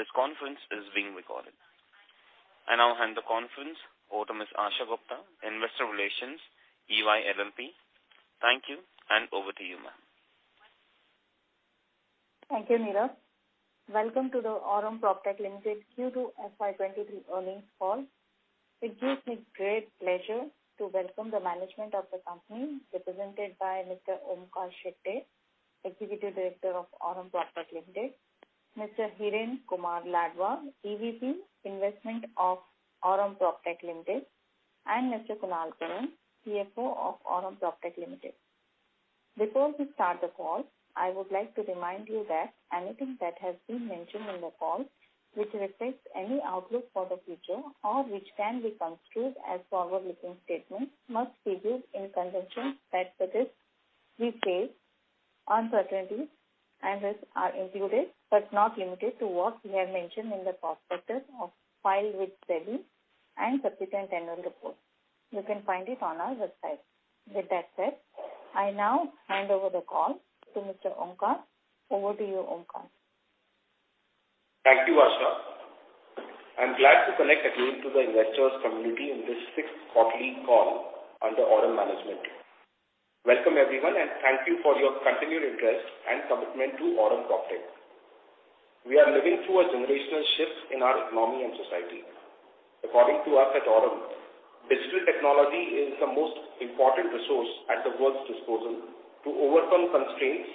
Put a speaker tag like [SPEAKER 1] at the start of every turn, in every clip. [SPEAKER 1] Please note that this conference is being recorded. I now hand the conference over to Ms. Asha Gupta, Investor Relations, EY LLP. Thank you, and over to you, ma'am.
[SPEAKER 2] Thank you, Neeraj. Welcome to the Aurum PropTech Limited Q2 FY 2023 Earnings Call. It gives me great pleasure to welcome the management of the company represented by Mr. Onkar Shetye, Executive Director of Aurum PropTech Limited, Mr. Hiren Ladva, EVP, Investments of Aurum PropTech Limited, and Mr. Kunal Karan, CFO of Aurum PropTech Limited. Before we start the call, I would like to remind you that anything that has been mentioned in the call which reflects any outlook for the future or which can be construed as forward-looking statements must be viewed in conjunction that such risks we face, uncertainties, and risks are included, but not limited to what we have mentioned in the prospectus on file with SEBI and subsequent annual report. You can find it on our website. With that said, I now hand over the call to Mr. Onkar. Over to you, Onkar.
[SPEAKER 3] Thank you, Asha. I'm glad to connect again to the investors community in this sixth quarterly call under Aurum management. Welcome, everyone, and thank you for your continued interest and commitment to Aurum PropTech. We are living through a generational shift in our economy and society. According to us at Aurum, digital technology is the most important resource at the world's disposal to overcome constraints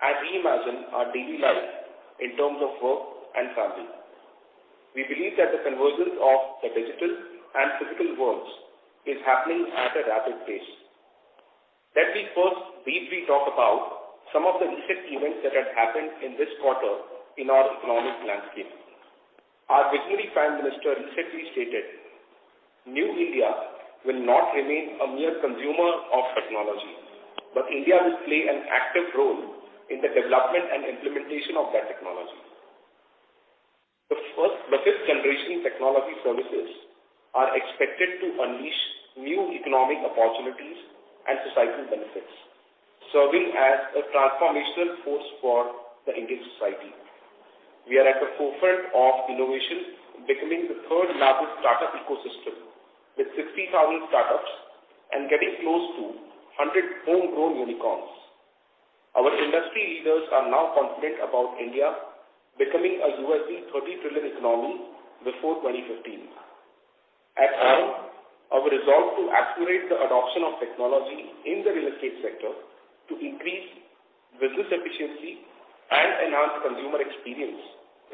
[SPEAKER 3] as we imagine our daily life in terms of work and family. We believe that the convergence of the digital and physical worlds is happening at a rapid pace. Let me first briefly talk about some of the recent events that have happened in this quarter in our economic landscape. Our Deputy Prime Minister recently stated, "New India will not remain a mere consumer of technology, but India will play an active role in the development and implementation of that technology." The first 5th generation technology services are expected to unleash new economic opportunities and societal benefits, serving as a transformational force for the Indian society. We are at the forefront of innovation, becoming the third-largest startup ecosystem with 60,000 startups and getting close to 100 homegrown unicorns. Our industry leaders are now confident about India becoming a $30 trillion economy before 2015. At Aurum, our resolve to accelerate the adoption of technology in the real estate sector to increase business efficiency and enhance consumer experience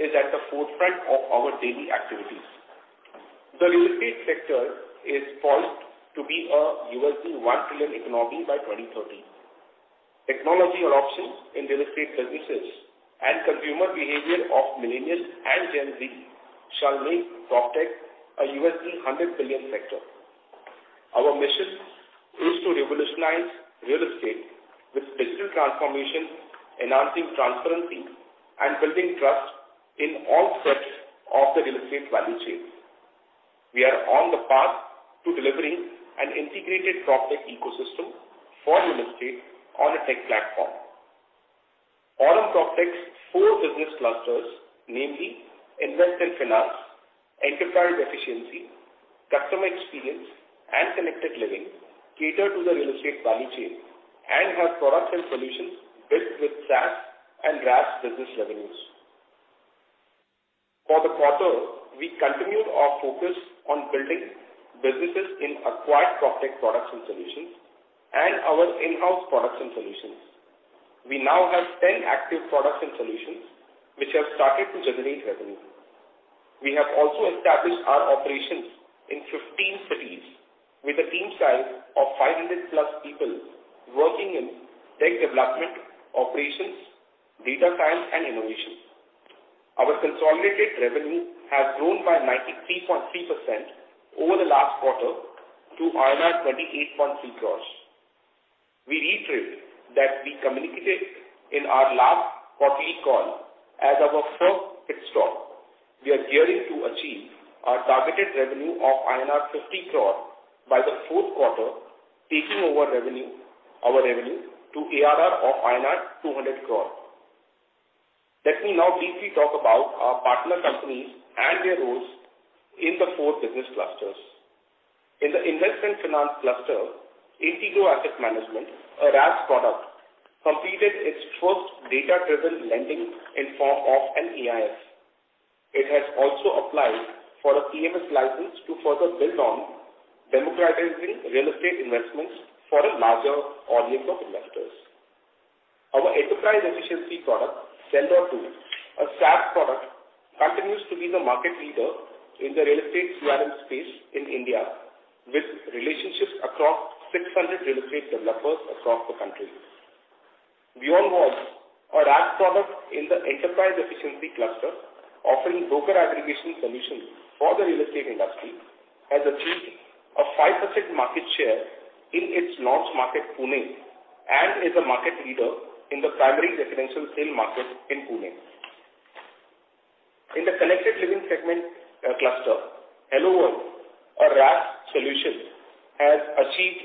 [SPEAKER 3] is at the forefront of our daily activities. The real estate sector is poised to be a $1 trillion economy by 2030. Technology adoption in real estate services and consumer behavior of millennials and Gen Z shall make PropTech a $100 billion sector. Our mission is to revolutionize real estate with digital transformation, enhancing transparency, and building trust in all parts of the real estate value chains. We are on the path to delivering an integrated PropTech ecosystem for real estate on a tech platform. Aurum PropTech's four business clusters, namely Invest and Finance, Enterprise Efficiency, Customer Experience, and Connected Living, cater to the real estate value chain and have products and solutions built with SaaS and PaaS business revenues. For the quarter, we continued our focus on building businesses in acquired PropTech products and solutions and our in-house products and solutions. We now have 10 active products and solutions which have started to generate revenue. We have also established our operations in 15 cities with a team size of 500+ people working in tech development, operations, data science, and innovation. Our consolidated revenue has grown by 93.3% over the last quarter to 28.3 crores. We reiterate that we communicated in our last quarterly call as our first pit stop. We are gearing to achieve our targeted revenue of INR 50 crore by the fourth quarter, taking over revenue, our revenue to ARR of INR 200 crore. Let me now briefly talk about our partner companies and their roles in the four business clusters. In the Investment Finance cluster, Integrow Asset Management, a PaaS product, completed its first data-driven lending in form of an AIF. It has also applied for a PMS license to further build on democratizing real estate investments for a larger audience of investors. Our Enterprise Efficiency product, Sell.Do, a SaaS product, continues to be the market leader in the real estate CRM space in India, with relationships across 600 real estate developers across the country. Beyond Walls, our PaaS product in the Enterprise Efficiency cluster, offering broker aggregation solutions for the real estate industry, has achieved a 5% market share in its launch market, Pune, and is a market leader in the primary residential sale market in Pune. In the Connected Living segment, cluster, HelloWorld, our RaaS solution has achieved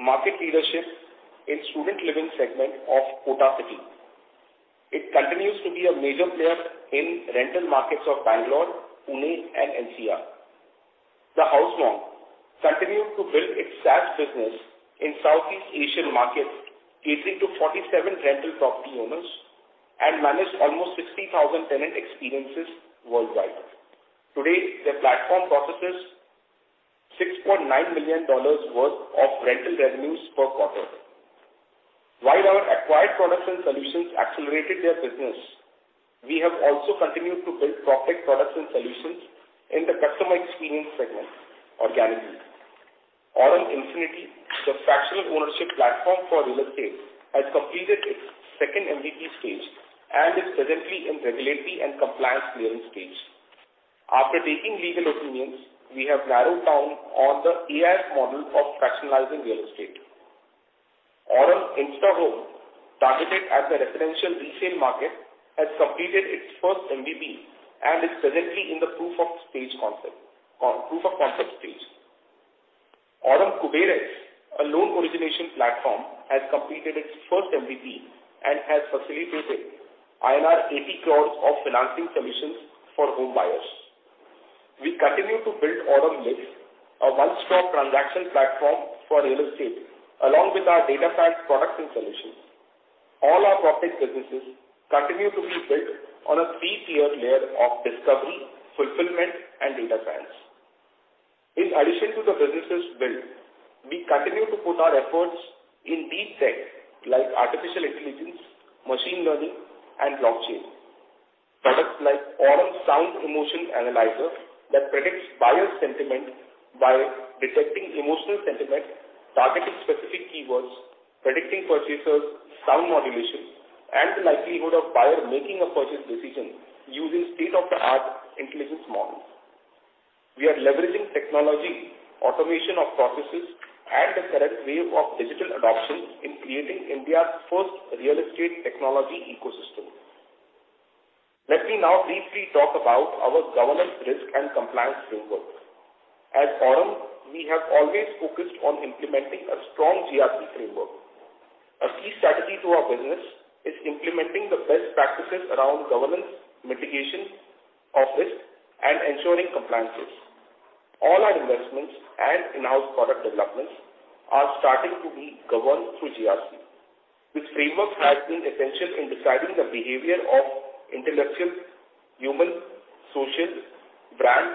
[SPEAKER 3] market leadership in student living segment of Kota city. It continues to be a major player in rental markets of Bangalore, Pune, and NCR. The HouseMonk continued to build its SaaS business in Southeast Asian markets, catering to 47 rental property owners and managed almost 60,000 tenant experiences worldwide. Today, their platform processes $6.9 million worth of rental revenues per quarter. While our acquired products and solutions accelerated their business, we have also continued to build PropTech products and solutions in the customer experience segment organically. Aurum Infinity, the fractional ownership platform for real estate, has completed its second MVP stage and is presently in regulatory and compliance clearing stage. After taking legal opinions, we have narrowed down on the AI model for fractionalizing real estate. Aurum Instahome, targeted at the residential resale market, has completed its first MVP and is presently in the proof of concept stage. Aurum KuberX, a loan origination platform, has completed its first MVP and has facilitated INR 80 crores of financing solutions for home buyers. We continue to build Aurum Mix, a one-stop transaction platform for real estate, along with our data pack products and solutions. All our PropTech businesses continue to be built on a three-tier layer of discovery, fulfillment, and data science. In addition to the businesses built, we continue to put our efforts in deep tech like artificial intelligence, machine learning, and blockchain. Products like Aurum Sound Emotion Analyzer that predicts buyer sentiment by detecting emotional sentiment, targeting specific keywords, predicting purchaser's sound modulations, and the likelihood of buyer making a purchase decision using state-of-the-art intelligence models. We are leveraging technology, automation of processes, and the current wave of digital adoption in creating India's first real estate technology ecosystem. Let me now briefly talk about our governance risk and compliance framework. At Aurum, we have always focused on implementing a strong GRC framework. A key strategy to our business is implementing the best practices around governance, mitigation of risk, and ensuring compliances. All our investments and in-house product developments are starting to be governed through GRC. This framework has been essential in deciding the behavior of intellectual, human, social, brand,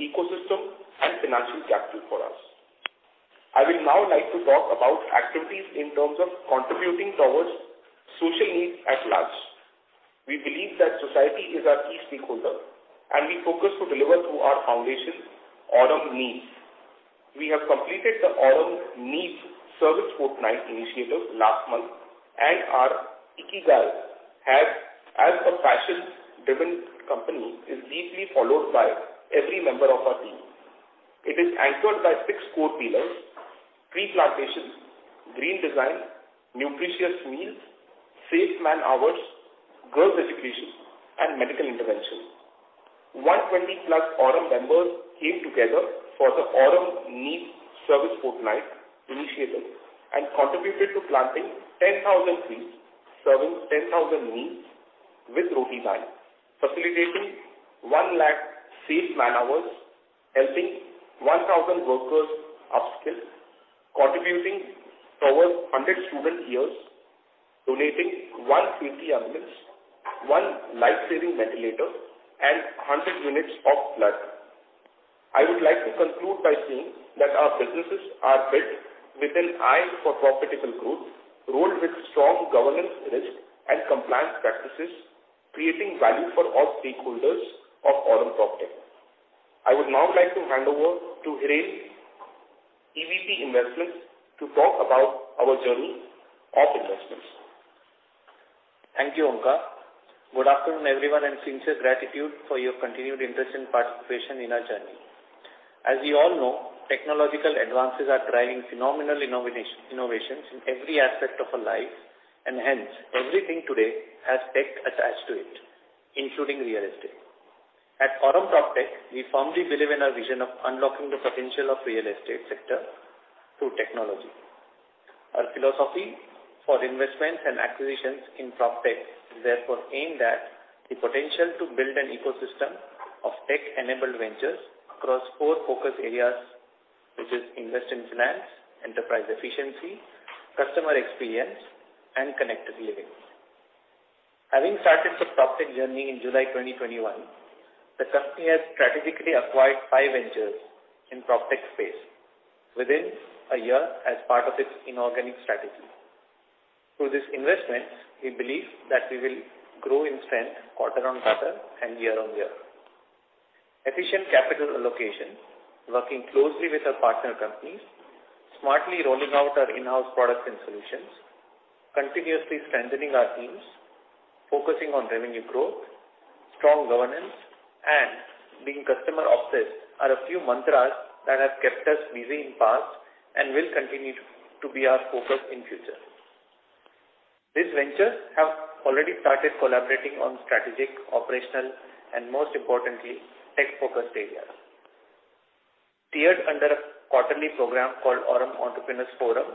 [SPEAKER 3] ecosystem, and financial capital for us. I will now like to talk about activities in terms of contributing towards social needs at large. We believe that society is our key stakeholder, and we focus to deliver through our foundation, Aurum Neev. We have completed the Aurum Neev Service Fortnight initiative last month, and our Ikigai, as a passion-driven company, is deeply followed by every member of our team. It is anchored by six core pillars, tree plantations, green design, nutritious meals, safe man-hours, girls' education, and medical interventions. 120+ Aurum members came together for the Aurum Neev Service Fortnight initiative and contributed to planting 10,000 trees, serving 10,000 meals with Roti bank, facilitating 100,000 safe man-hours, helping 1,000 workers upskill, contributing towards 100 student years, donating 150 ambulances, one life-saving ventilator, and 100 units of blood. I would like to conclude by saying that our businesses are built with an eye for profitability growth, rolled with strong governance risk and compliance practices, creating value for all stakeholders of Aurum PropTech. I would now like to hand over to Hiren Ladva, EVP, Investments, to talk about our journey of investments.
[SPEAKER 4] Thank you, Onkar. Good afternoon, everyone, and sincere gratitude for your continued interest and participation in our journey. As we all know, technological advances are driving phenomenal innovations in every aspect of our lives, and hence, everything today has tech attached to it, including real estate. At Aurum PropTech, we firmly believe in our vision of unlocking the potential of real estate sector through technology. Our philosophy for investments and acquisitions in PropTech is therefore aimed at the potential to build an ecosystem of tech-enabled ventures across four focus areas, which is invest and finance, enterprise efficiency, customer experience, and connected living. Having started the PropTech journey in July 2021, the company has strategically acquired five ventures in PropTech space within a year as part of its inorganic strategy. Through these investments, we believe that we will grow in strength quarter-on-quarter and year-on-year. Efficient capital allocation, working closely with our partner companies, smartly rolling out our in-house products and solutions, continuously strengthening our teams, focusing on revenue growth, strong governance, and being customer obsessed are a few mantras that have kept us busy in past and will continue to be our focus in future. This venture have already started collaborating on strategic, operational, and most importantly, tech-focused areas. Tied under a quarterly program called Aurum Entrepreneurs' Forum,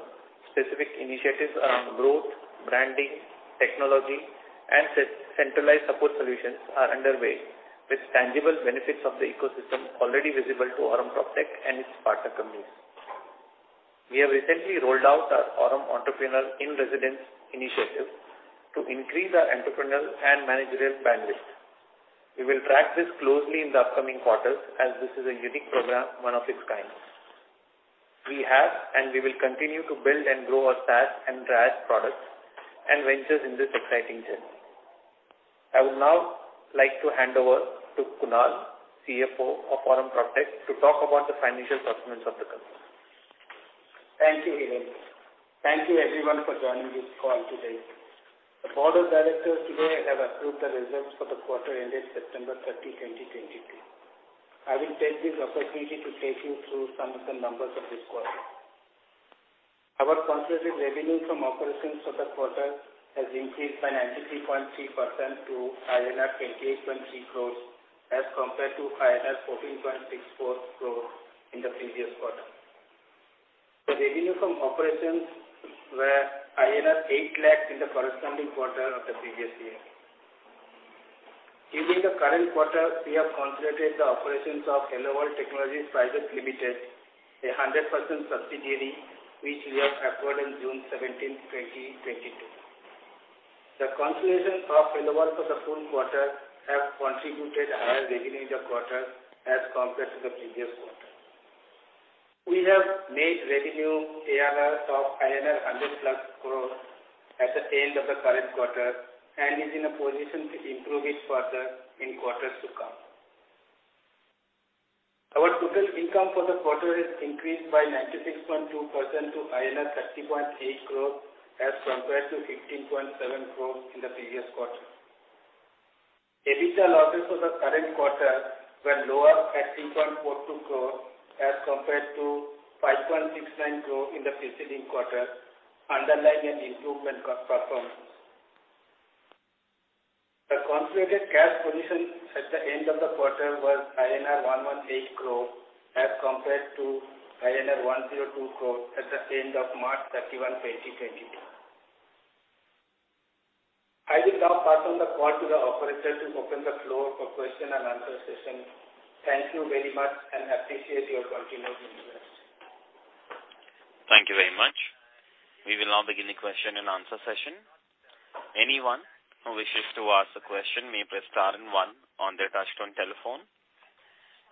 [SPEAKER 4] specific initiatives around growth, branding, technology, and centralized support solutions are underway, with tangible benefits of the ecosystem already visible to Aurum PropTech and its partner companies. We have recently rolled out our Aurum Entrepreneur-In-Residence initiative to increase our entrepreneurial and managerial bandwidth. We will track this closely in the upcoming quarters, as this is a unique program, one of its kind. We have, and we will continue to build and grow our SaaS and DaaS products and ventures in this exciting journey. I would now like to hand over to Kunal, CFO of Aurum PropTech, to talk about the financial performance of the company.
[SPEAKER 5] Thank you, Hiren. Thank you everyone for joining this call today. The board of directors today have approved the results for the quarter ended September 30, 2022. I will take this opportunity to take you through some of the numbers of this quarter. Our consolidated revenue from operations for the quarter has increased by 93.3% to INR 28.3 crores, as compared to INR 14.64 crores in the previous quarter. The revenue from operations were INR 8 lakh in the corresponding quarter of the previous year. During the current quarter, we have consolidated the operations of HelloWorld Technologies, a 100% subsidiary which we have acquired in June 17, 2022. The consolidation of HelloWorld for the full quarter have contributed higher revenue in the quarter as compared to the previous quarter. We have made revenue ARR of INR 100+ crore at the end of the current quarter, and is in a position to improve it further in quarters to come. Our total income for the quarter has increased by 96.2% to INR 30.8 crore as compared to 15.7 crore in the previous quarter. EBITDA losses for the current quarter were lower at 3.42 crore as compared to 5.69 crore in the preceding quarter, underlying an improvement of performance. The consolidated cash position at the end of the quarter was INR 118 crore as compared to INR 102 crore at the end of March 31, 2022. I will now pass on the call to the operator to open the floor for question and answer session. Thank you very much and appreciate your continued interest.
[SPEAKER 1] Thank you very much. We will now begin the question and answer session. Anyone who wishes to ask a question may press star and one on their touchtone telephone.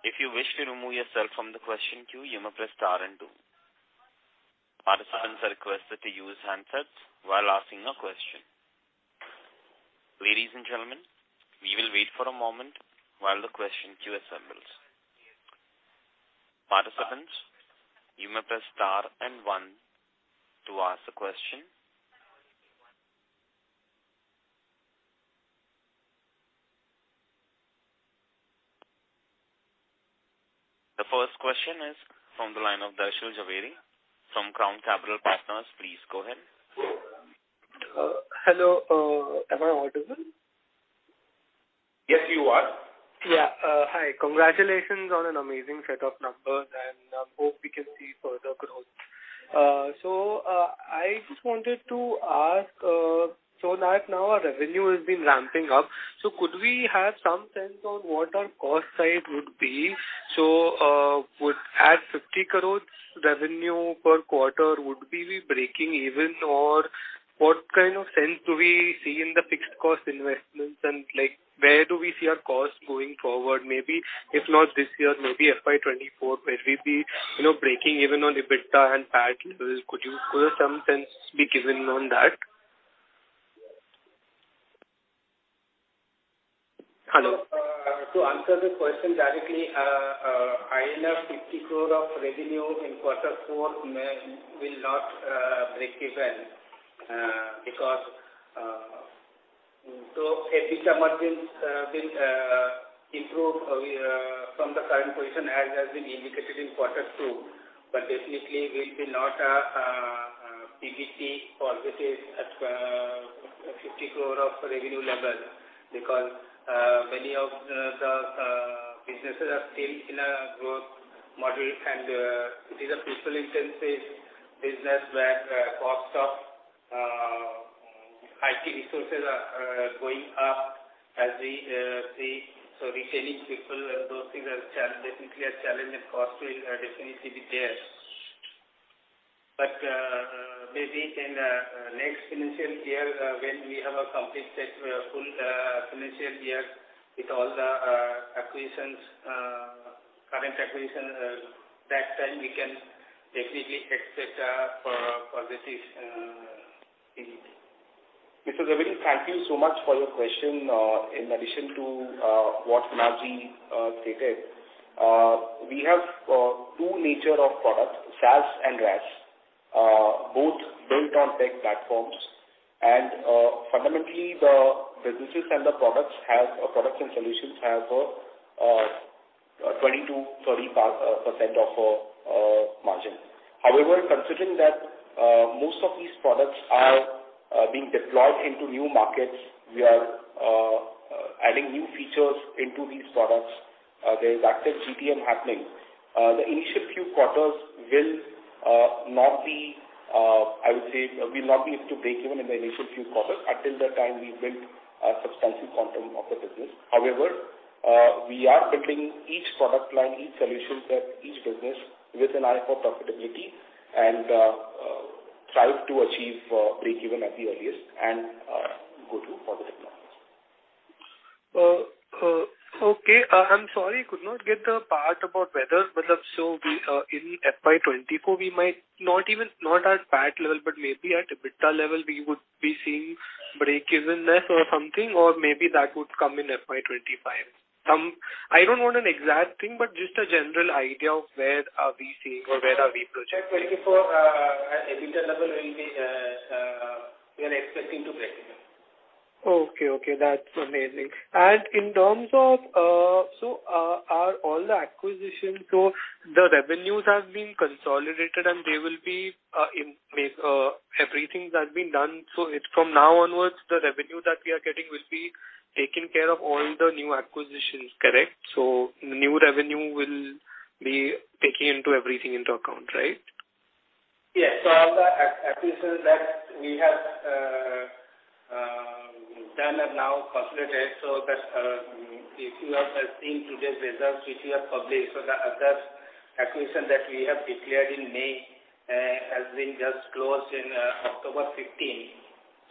[SPEAKER 1] If you wish to remove yourself from the question queue, you may press star and two. Participants are requested to use handsets while asking a question. Ladies and gentlemen, we will wait for a moment while the question queue assembles. Participants, you may press star and one to ask a question. The first question is from the line of Darshan Jhaveri from Crown Capital Partners. Please go ahead.
[SPEAKER 6] Hello. Am I audible?
[SPEAKER 1] Yes, you are.
[SPEAKER 6] Yeah. Hi. Congratulations on an amazing set of numbers and hope we can see further growth. I just wanted to ask, so now our revenue has been ramping up. Could we have some sense on what our cost side would be? Would, at 50 crores revenue per quarter, we be breaking even? What kind of sense do we see in the fixed cost investments and, like, where do we see our costs going forward? Maybe if not this year, maybe FY 2024, where we be, you know, breaking even on EBITDA and PAT levels. Could some sense be given on that?
[SPEAKER 5] Hello. To answer the question directly, 50 crore of revenue in quarter four will not break even because EBITDA margins will improve from the current position as has been indicated in quarter two. But definitely we'll be not PBT positive at 50 crore of revenue level because many of the businesses are still in a growth mode and it is a people-intensive business where cost of IT resources are going up. Retaining people and those things are definitely a challenge and cost will definitely be there. Maybe in next financial year, when we have a complete set full financial year with all the acquisitions, current acquisition, that time we can definitely expect a positive thing.
[SPEAKER 4] Mr. Jhaveri, thank you so much for your question. In addition to what Kunal Karan stated, we have two nature of products, SaaS and DaaS, both built on tech platforms. Fundamentally, the products and solutions have a 20%-30% margin. However, considering that most of these products are being deployed into new markets, we are adding new features into these products. There is active GTM happening. The initial few quarters will not be, I would say, we'll not be able to break even in the initial few quarters. Until that time, we build a substantial quantum of the business. However, we are building each product line, each solution set, each business with an eye for profitability and strive to achieve break even at the earliest and go to positive numbers.
[SPEAKER 6] Okay. I'm sorry, could not get the part about whether
[SPEAKER 3] Mm-hmm.
[SPEAKER 6] In FY 2024, not at PAT level, but maybe at EBITDA level we would be seeing break even-ness or something, or maybe that would come in FY 2025. I don't want an exact thing, but just a general idea of where we are seeing or where we are projecting? At 24% EBITDA level, we are expecting to break even.
[SPEAKER 3] Okay, that's amazing. In terms of, are all the acquisitions the revenues have been consolidated, and they will be in everything that's been done. It's from now onwards, the revenue that we are getting will be taking care of all the new acquisitions, correct? New revenue will be taking everything into account, right?
[SPEAKER 4] Yes. All the acquisitions that we have done are now consolidated. That, if you are seeing today's results which we have published. The other acquisition that we have declared in May has been just closed in October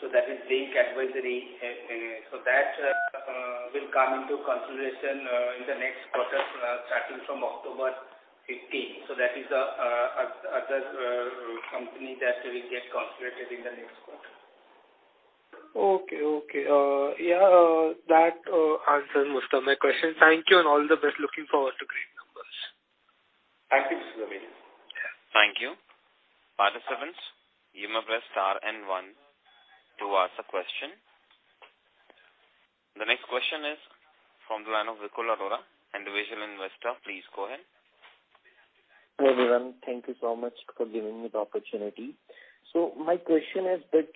[SPEAKER 4] 15. That is Blink Advisory Services in it. That will come into consideration in the next quarter starting from October 15. That is another company that will get consolidated in the next quarter.
[SPEAKER 6] Okay. Yeah, that answers most of my questions. Thank you and all the best. Looking forward to great numbers.
[SPEAKER 3] Thank you, Darshan Jhaveri.
[SPEAKER 1] Thank you. Participants, you may press star and one to ask a question. The next question is from the line of Vikul Arora, Individual Investor. Please go ahead.
[SPEAKER 7] Hello, everyone. Thank you so much for giving me the opportunity. My question is a bit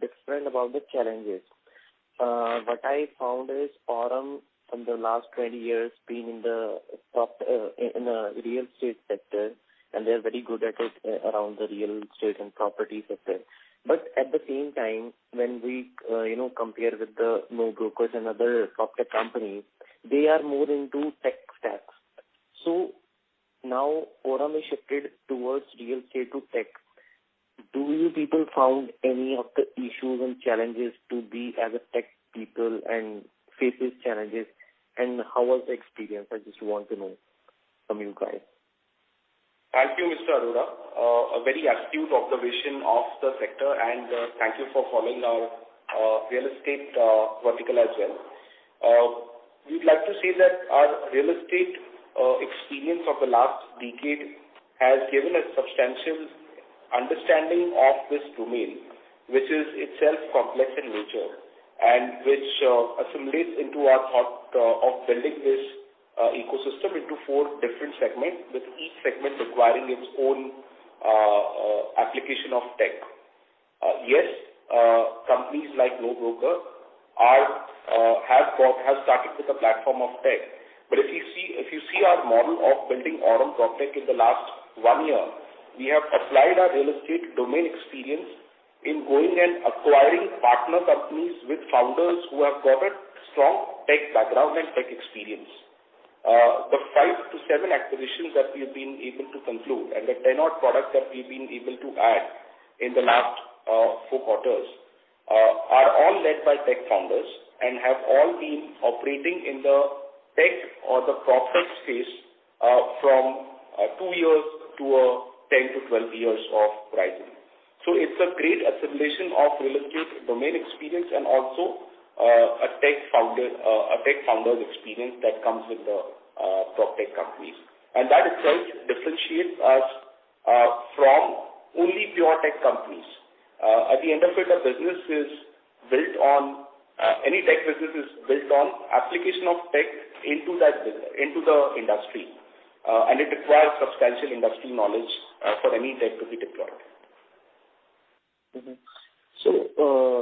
[SPEAKER 7] different about the challenges. What I found is Aurum in the last 20 years been in the PropTech in real estate sector, and they're very good at it around the real estate and property sector. But at the same time, when we you know compare with the NoBroker and other PropTech companies, they are more into tech stacks. Now Aurum has shifted towards real estate to tech. Do you people found any of the issues and challenges to be as a tech people and faces challenges, and how was the experience? I just want to know from you guys.
[SPEAKER 3] Thank you, Mr. Arora. A very astute observation of the sector, and thank you for following our real estate vertical as well. We'd like to say that our real estate experience of the last decade has given a substantial understanding of this domain, which is itself complex in nature. Which assimilates into our thought of building this ecosystem into four different segments, with each segment requiring its own application of tech. Yes, companies like NoBroker have started with a platform of tech. If you see our model of building Aurum PropTech in the last one year, we have applied our real estate domain experience in going and acquiring partner companies with founders who have got a strong tech background and tech experience. The five to seven acquisitions that we've been able to conclude and the 10-odd products that we've been able to add in the last four quarters are all led by tech founders and have all been operating in the tech or the PropTech space from two years to 10-12 years of rightly. It's a great assimilation of real estate domain experience and also a tech founder, a tech founder's experience that comes with the PropTech companies. That itself differentiates us from only pure tech companies. At the end of it, a business is built on any tech business is built on application of tech into the industry, and it requires substantial industry knowledge for any tech to be deployed.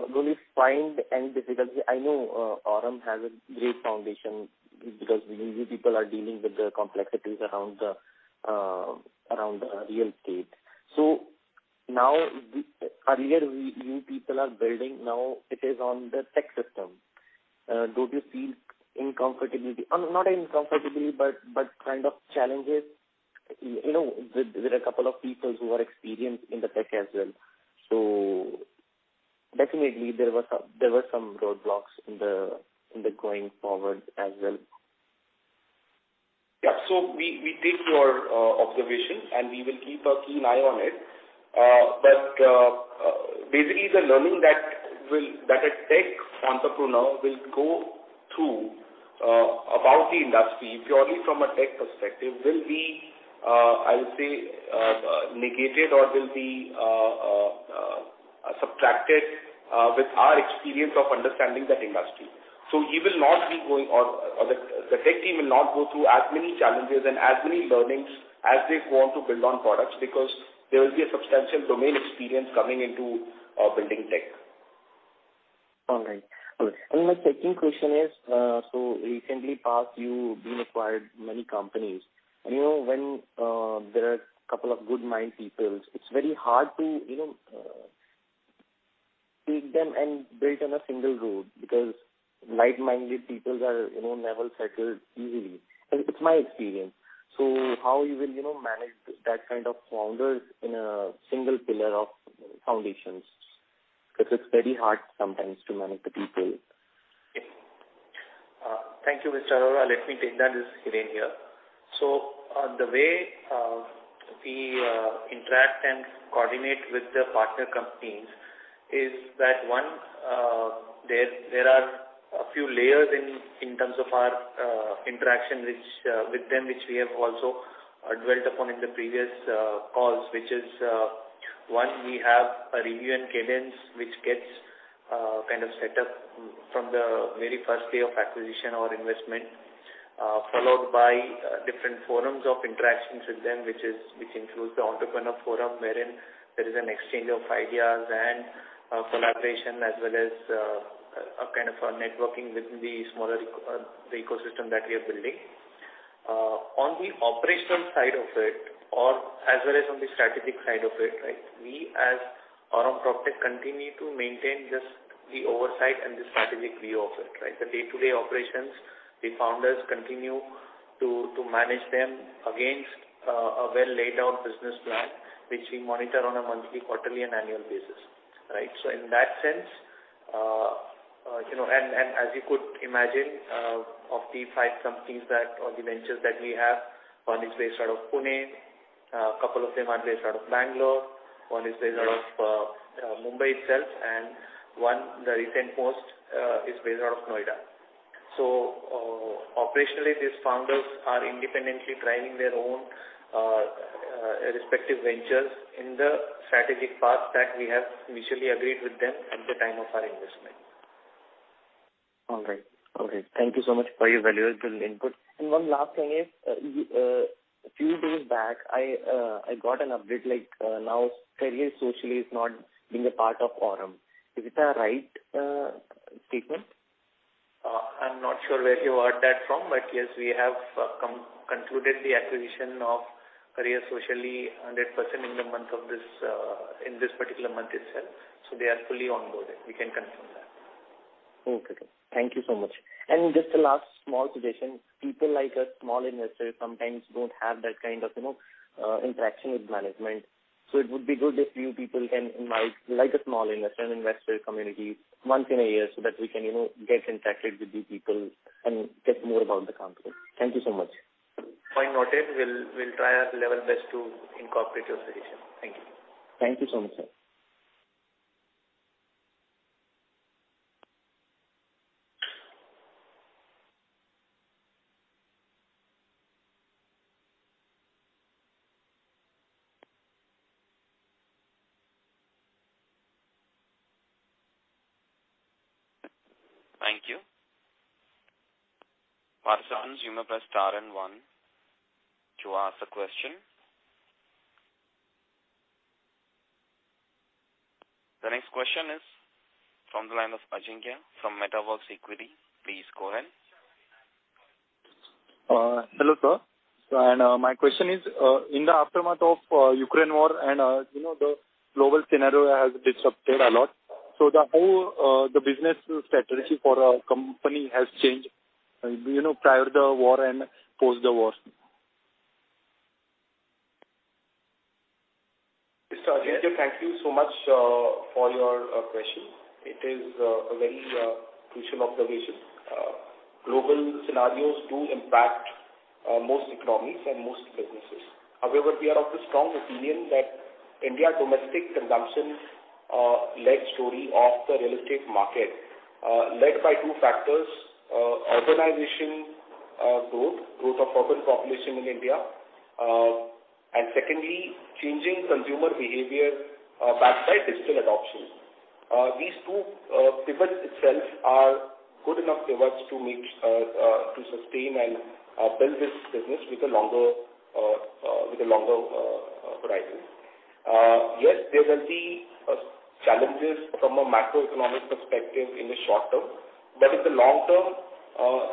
[SPEAKER 7] Do we find any difficulty? I know, Aurum has a great foundation because you people are dealing with the complexities around the real estate. Earlier you people are building, now it is on the tech system. Do you feel uncomfortability? Not uncomfortability, but kind of challenges, you know, with a couple of people who are experienced in the tech as well. Definitely there were some roadblocks in the going forward as well.
[SPEAKER 4] Yeah. We take your observation, and we will keep a keen eye on it. But basically the learning that a tech entrepreneur will go through about the industry purely from a tech perspective will be, I would say, tracked it with our experience of understanding that industry. The tech team will not go through as many challenges and as many learnings as they go on to build on products, because there will be a substantial domain experience coming into building tech.
[SPEAKER 7] All right. My second question is, so in the recent past you've acquired many companies. You know, when there are a couple of good-minded people, it's very hard to, you know, take them and build on a single road because like-minded people are, you know, never settle easily. It's my experience. How will you know, manage that kind of founders in a single pillar of foundations? Because it's very hard sometimes to manage the people.
[SPEAKER 4] Thank you, Mr. Arora. Let me take that. This is Hiren here. The way we interact and coordinate with the partner companies is that, one, there are a few layers in terms of our interaction with them, which we have also dwelt upon in the previous calls, which is, one, we have a review and cadence which gets kind of set up from the very first day of acquisition or investment, followed by different forums of interactions with them, which includes the entrepreneur forum, wherein there is an exchange of ideas and collaboration as well as a kind of a networking within the smaller ecosystem that we are building. On the operational side of it or as well as on the strategic side of it, right? We as Aurum PropTech continue to maintain just the oversight and the strategic view of it, right? The day-to-day operations, the founders continue to manage them against a well laid out business plan, which we monitor on a monthly, quarterly and annual basis, right? In that sense, you know, and as you could imagine, of the five ventures that we have, one is based out of Pune, a couple of them are based out of Bangalore, one is based out of Mumbai itself, and one, the most recent, is based out of Noida. Operationally, these founders are independently driving their own respective ventures in the strategic path that we have mutually agreed with them at the time of our investment.
[SPEAKER 7] All right. Okay. Thank you so much for your valuable input. One last thing is, you, a few days back, I got an update like, now CareerSocially is not being a part of Aurum. Is it a right statement?
[SPEAKER 4] I'm not sure where you heard that from, but yes, we have concluded the acquisition of CareerSocially 100% in the month of this, in this particular month itself, so they are fully onboarded. We can confirm that.
[SPEAKER 7] Okay. Thank you so much. Just the last small suggestion. People like us, small investors sometimes don't have that kind of, you know, interaction with management. It would be good if you people can invite like a small investor and investor community once in a year so that we can, you know, get in touch with you people and get to know about the company. Thank you so much.
[SPEAKER 4] Point noted. We'll try our level best to incorporate your suggestion. Thank you.
[SPEAKER 7] Thank you so much, sir.
[SPEAKER 1] Thank you. Operator, you may press star and one to ask a question. The next question is from the line of Ajinkya from Metaworks Equity. Please go ahead.
[SPEAKER 8] Hello sir. My question is, in the aftermath of Ukraine war and, you know, the global scenario has disrupted a lot. The whole, the business strategy for our company has changed, you know, prior the war and post the war.
[SPEAKER 4] Mr. Ajinkya, thank you so much for your question. It is a very crucial observation. Global scenarios do impact most economies and most businesses. However, we are of the strong opinion that India domestic consumption led story of the real estate market led by two factors, urbanization growth of urban population in India. Secondly, changing consumer behavior backed by digital adoption. These two pivots itself are good enough pivots to sustain and build this business with a longer horizon. Yes, there will be challenges from a macroeconomic perspective in the short term. In the long term,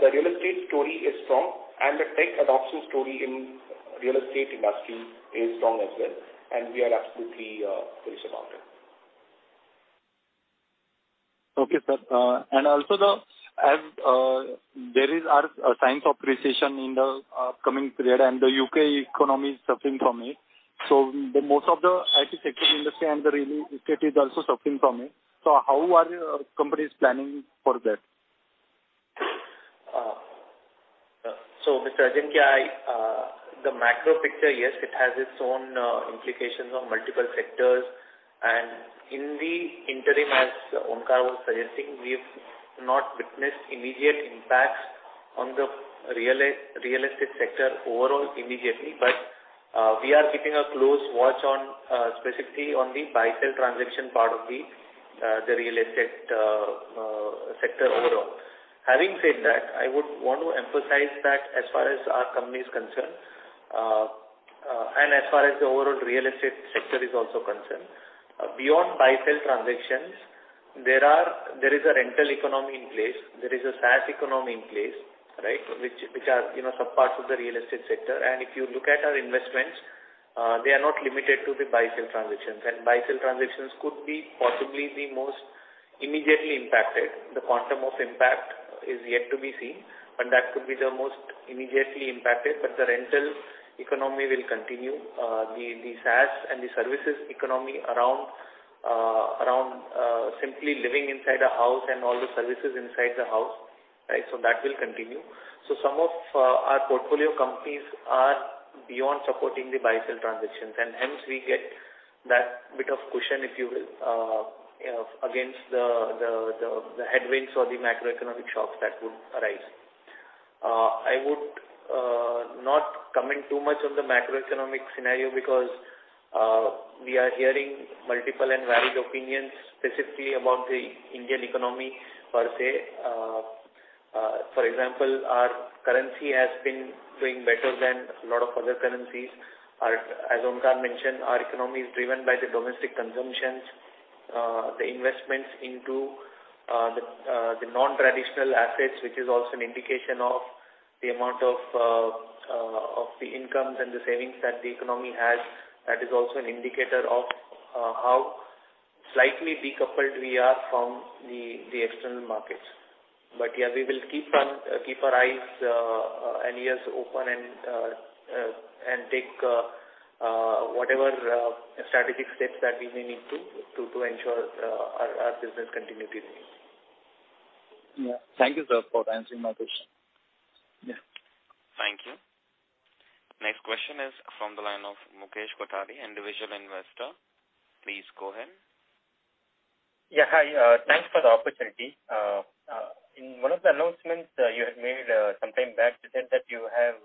[SPEAKER 4] the real estate story is strong and the tech adoption story in real estate industry is strong as well, and we are absolutely bullish about it.
[SPEAKER 8] Okay, sir. Also, as there is signs of recession in the upcoming period and the U.K. economy is suffering from it. The most of the IT sector industry and the real estate is also suffering from it. How are your companies planning for that?
[SPEAKER 4] Mr. Ajinkya, the macro picture, yes, it has its own implications on multiple sectors. In the interim, as Onkar was suggesting, we have not witnessed immediate impacts on the real estate sector overall immediately, but we are keeping a close watch on, specifically on the buy-sell transaction part of the real estate sector overall. Having said that, I would want to emphasize that as far as our company is concerned, and as far as the overall real estate sector is also concerned, beyond buy-sell transactions, there is a rental economy in place. There is a SaaS economy in place, right? Which are, you know, subparts of the real estate sector. If you look at our investments, they are not limited to the buy-sell transactions. Buy-sell transactions could be possibly the most immediately impacted. The quantum of impact is yet to be seen, but that could be the most immediately impacted. The rental economy will continue, the SaaS and the services economy around simply living inside a house and all the services inside the house, right? That will continue. Some of our portfolio companies are beyond supporting the buy-sell transactions. Hence we get that bit of cushion, if you will, you know, against the headwinds or the macroeconomic shocks that would arise. I would not comment too much on the macroeconomic scenario because we are hearing multiple and varied opinions specifically about the Indian economy per se. For example, our currency has been doing better than a lot of other currencies. As Onkar mentioned, our economy is driven by the domestic consumptions, the investments into the non-traditional assets, which is also an indication of the amount of the incomes and the savings that the economy has. That is also an indicator of how slightly decoupled we are from the external markets. Yeah, we will keep our eyes and ears open and take whatever strategic steps that we may need to ensure our business continuity remains.
[SPEAKER 8] Yeah. Thank you, sir, for answering my question.
[SPEAKER 4] Yeah.
[SPEAKER 1] Thank you. Next question is from the line of Mukesh Kothari, individual investor. Please go ahead.
[SPEAKER 9] Yeah, hi. Thanks for the opportunity. In one of the announcements you had made some time back, you said that you have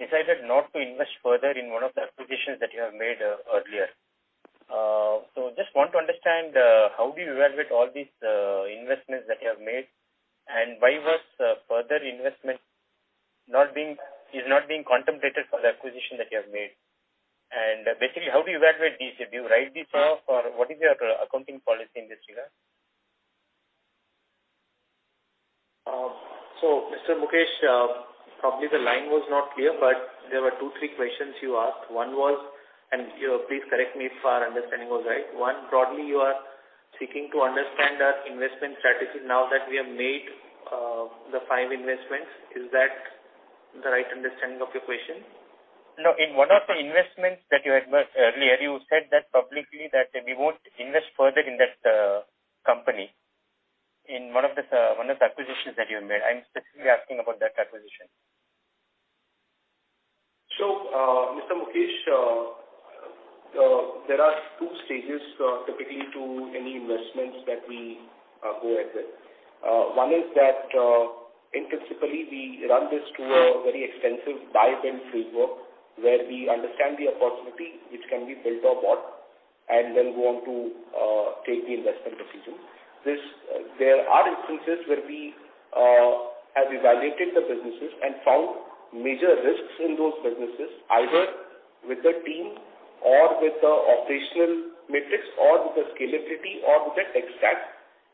[SPEAKER 9] decided not to invest further in one of the acquisitions that you have made earlier. So just want to understand how do you evaluate all these investments that you have made, and why is further investment not being contemplated for the acquisition that you have made? Basically, how do you evaluate these? Do you write these off or what is your accounting policy in this regard?
[SPEAKER 4] Mr. Mukesh Kothari, probably the line was not clear, but there were two, three questions you asked. One was, and you please correct me if our understanding was right. One, broadly you are seeking to understand our investment strategy now that we have made the five investments. Is that the right understanding of your question?
[SPEAKER 9] No. In one of the investments that you had made earlier, you said publicly that we won't invest further in that company. In one of the acquisitions that you have made, I'm specifically asking about that acquisition.
[SPEAKER 4] Mr. Mukesh Kothari, there are two stages typically to any investments that we go ahead with. One is that intrinsically we run this through a very extensive buy-sell framework where we understand the opportunity which can be built or bought and then go on to take the investment decision. There are instances where we have evaluated the businesses and found major risks in those businesses, either with the team or with the operational metrics or with the scalability or with the tech stack.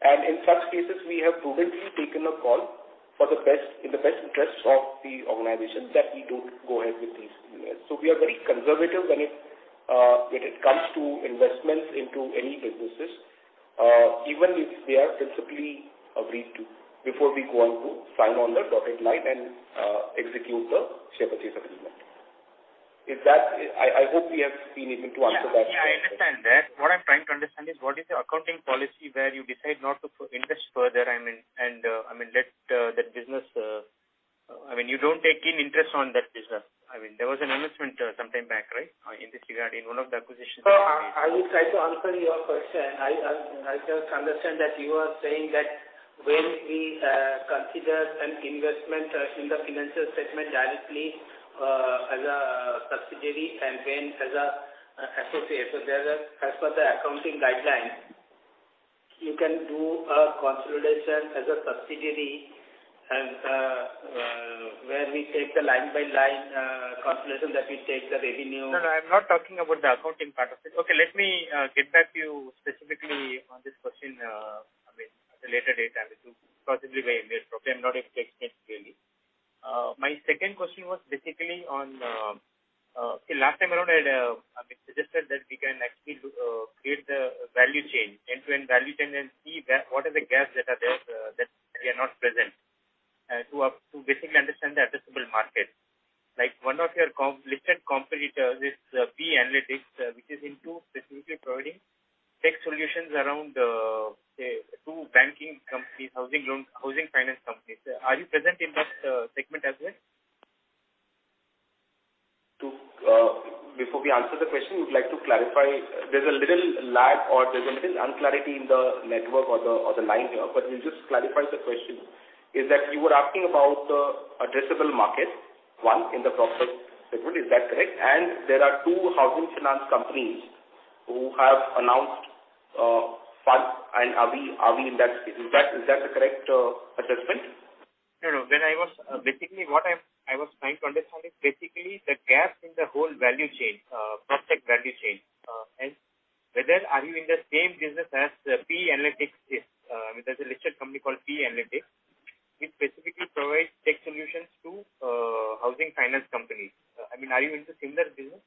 [SPEAKER 4] In such cases, we have prudently taken a call for the best in the best interest of the organization that we don't go ahead with these investments. We are very conservative when it comes to investments into any businesses, even if they are principally agreed to before we go on to sign on the dotted line and execute the share purchase agreement. Is that? I hope we have been able to answer that question.
[SPEAKER 9] Yeah. Yeah, I understand that. What I'm trying to understand is what is your accounting policy where you decide not to invest further. I mean, you don't take keen interest on that business. I mean, there was an announcement some time back, right? In this regard, in one of the acquisitions that you made.
[SPEAKER 5] I will try to answer your question. I just understand that you are saying that when we consider an investment in the financial statement directly as a subsidiary and when as an associate. As per the accounting guideline, you can do a consolidation as a subsidiary and where we take the line-by-line consolidation that we take the revenue-
[SPEAKER 9] No, no, I'm not talking about the accounting part of it.
[SPEAKER 5] Okay, let me get back to you specifically on this question, I mean, at a later date. I will do possibly via email. Probably I'm not able to explain clearly.
[SPEAKER 9] My second question was basically on okay, last time around I'd, I mean, suggested that we can actually do create the value chain, end-to-end value chain and see what are the gaps that are there, that we are not present to basically understand the addressable market. Like one of your listed competitor is P.E. Analytics, which is into specifically providing tech solutions around, say to banking companies, housing loans, housing finance companies. Are you present in that segment as well?
[SPEAKER 4] Before we answer the question, we'd like to clarify. There's a little lag or there's a little unclarity in the network or the line. But we'll just clarify the question. Is that you were asking about the addressable market, one, in the PropTech segment, is that correct? There are two housing finance companies who have announced fund and are we in that space? Is that the correct assessment?
[SPEAKER 9] No, no. Basically, what I'm trying to understand is basically the gap in the whole value chain, PropTech value chain, and whether are you in the same business as the P.E. Analytics is. There's a listed company called P.E. Analytics, which specifically provides tech solutions to housing finance companies. I mean, are you into similar business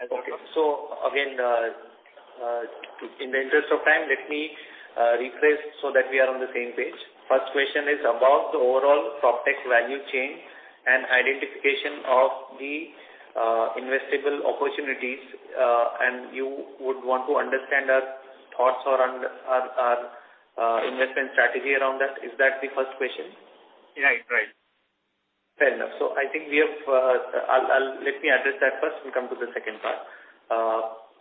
[SPEAKER 9] as well?
[SPEAKER 4] Okay. Again, in the interest of time, let me rephrase so that we are on the same page. First question is about the overall PropTech value chain and identification of the investable opportunities, and you would want to understand our thoughts or our investment strategy around that. Is that the first question?
[SPEAKER 9] Right. Right.
[SPEAKER 4] Fair enough. I think we have. Let me address that first and come to the second part.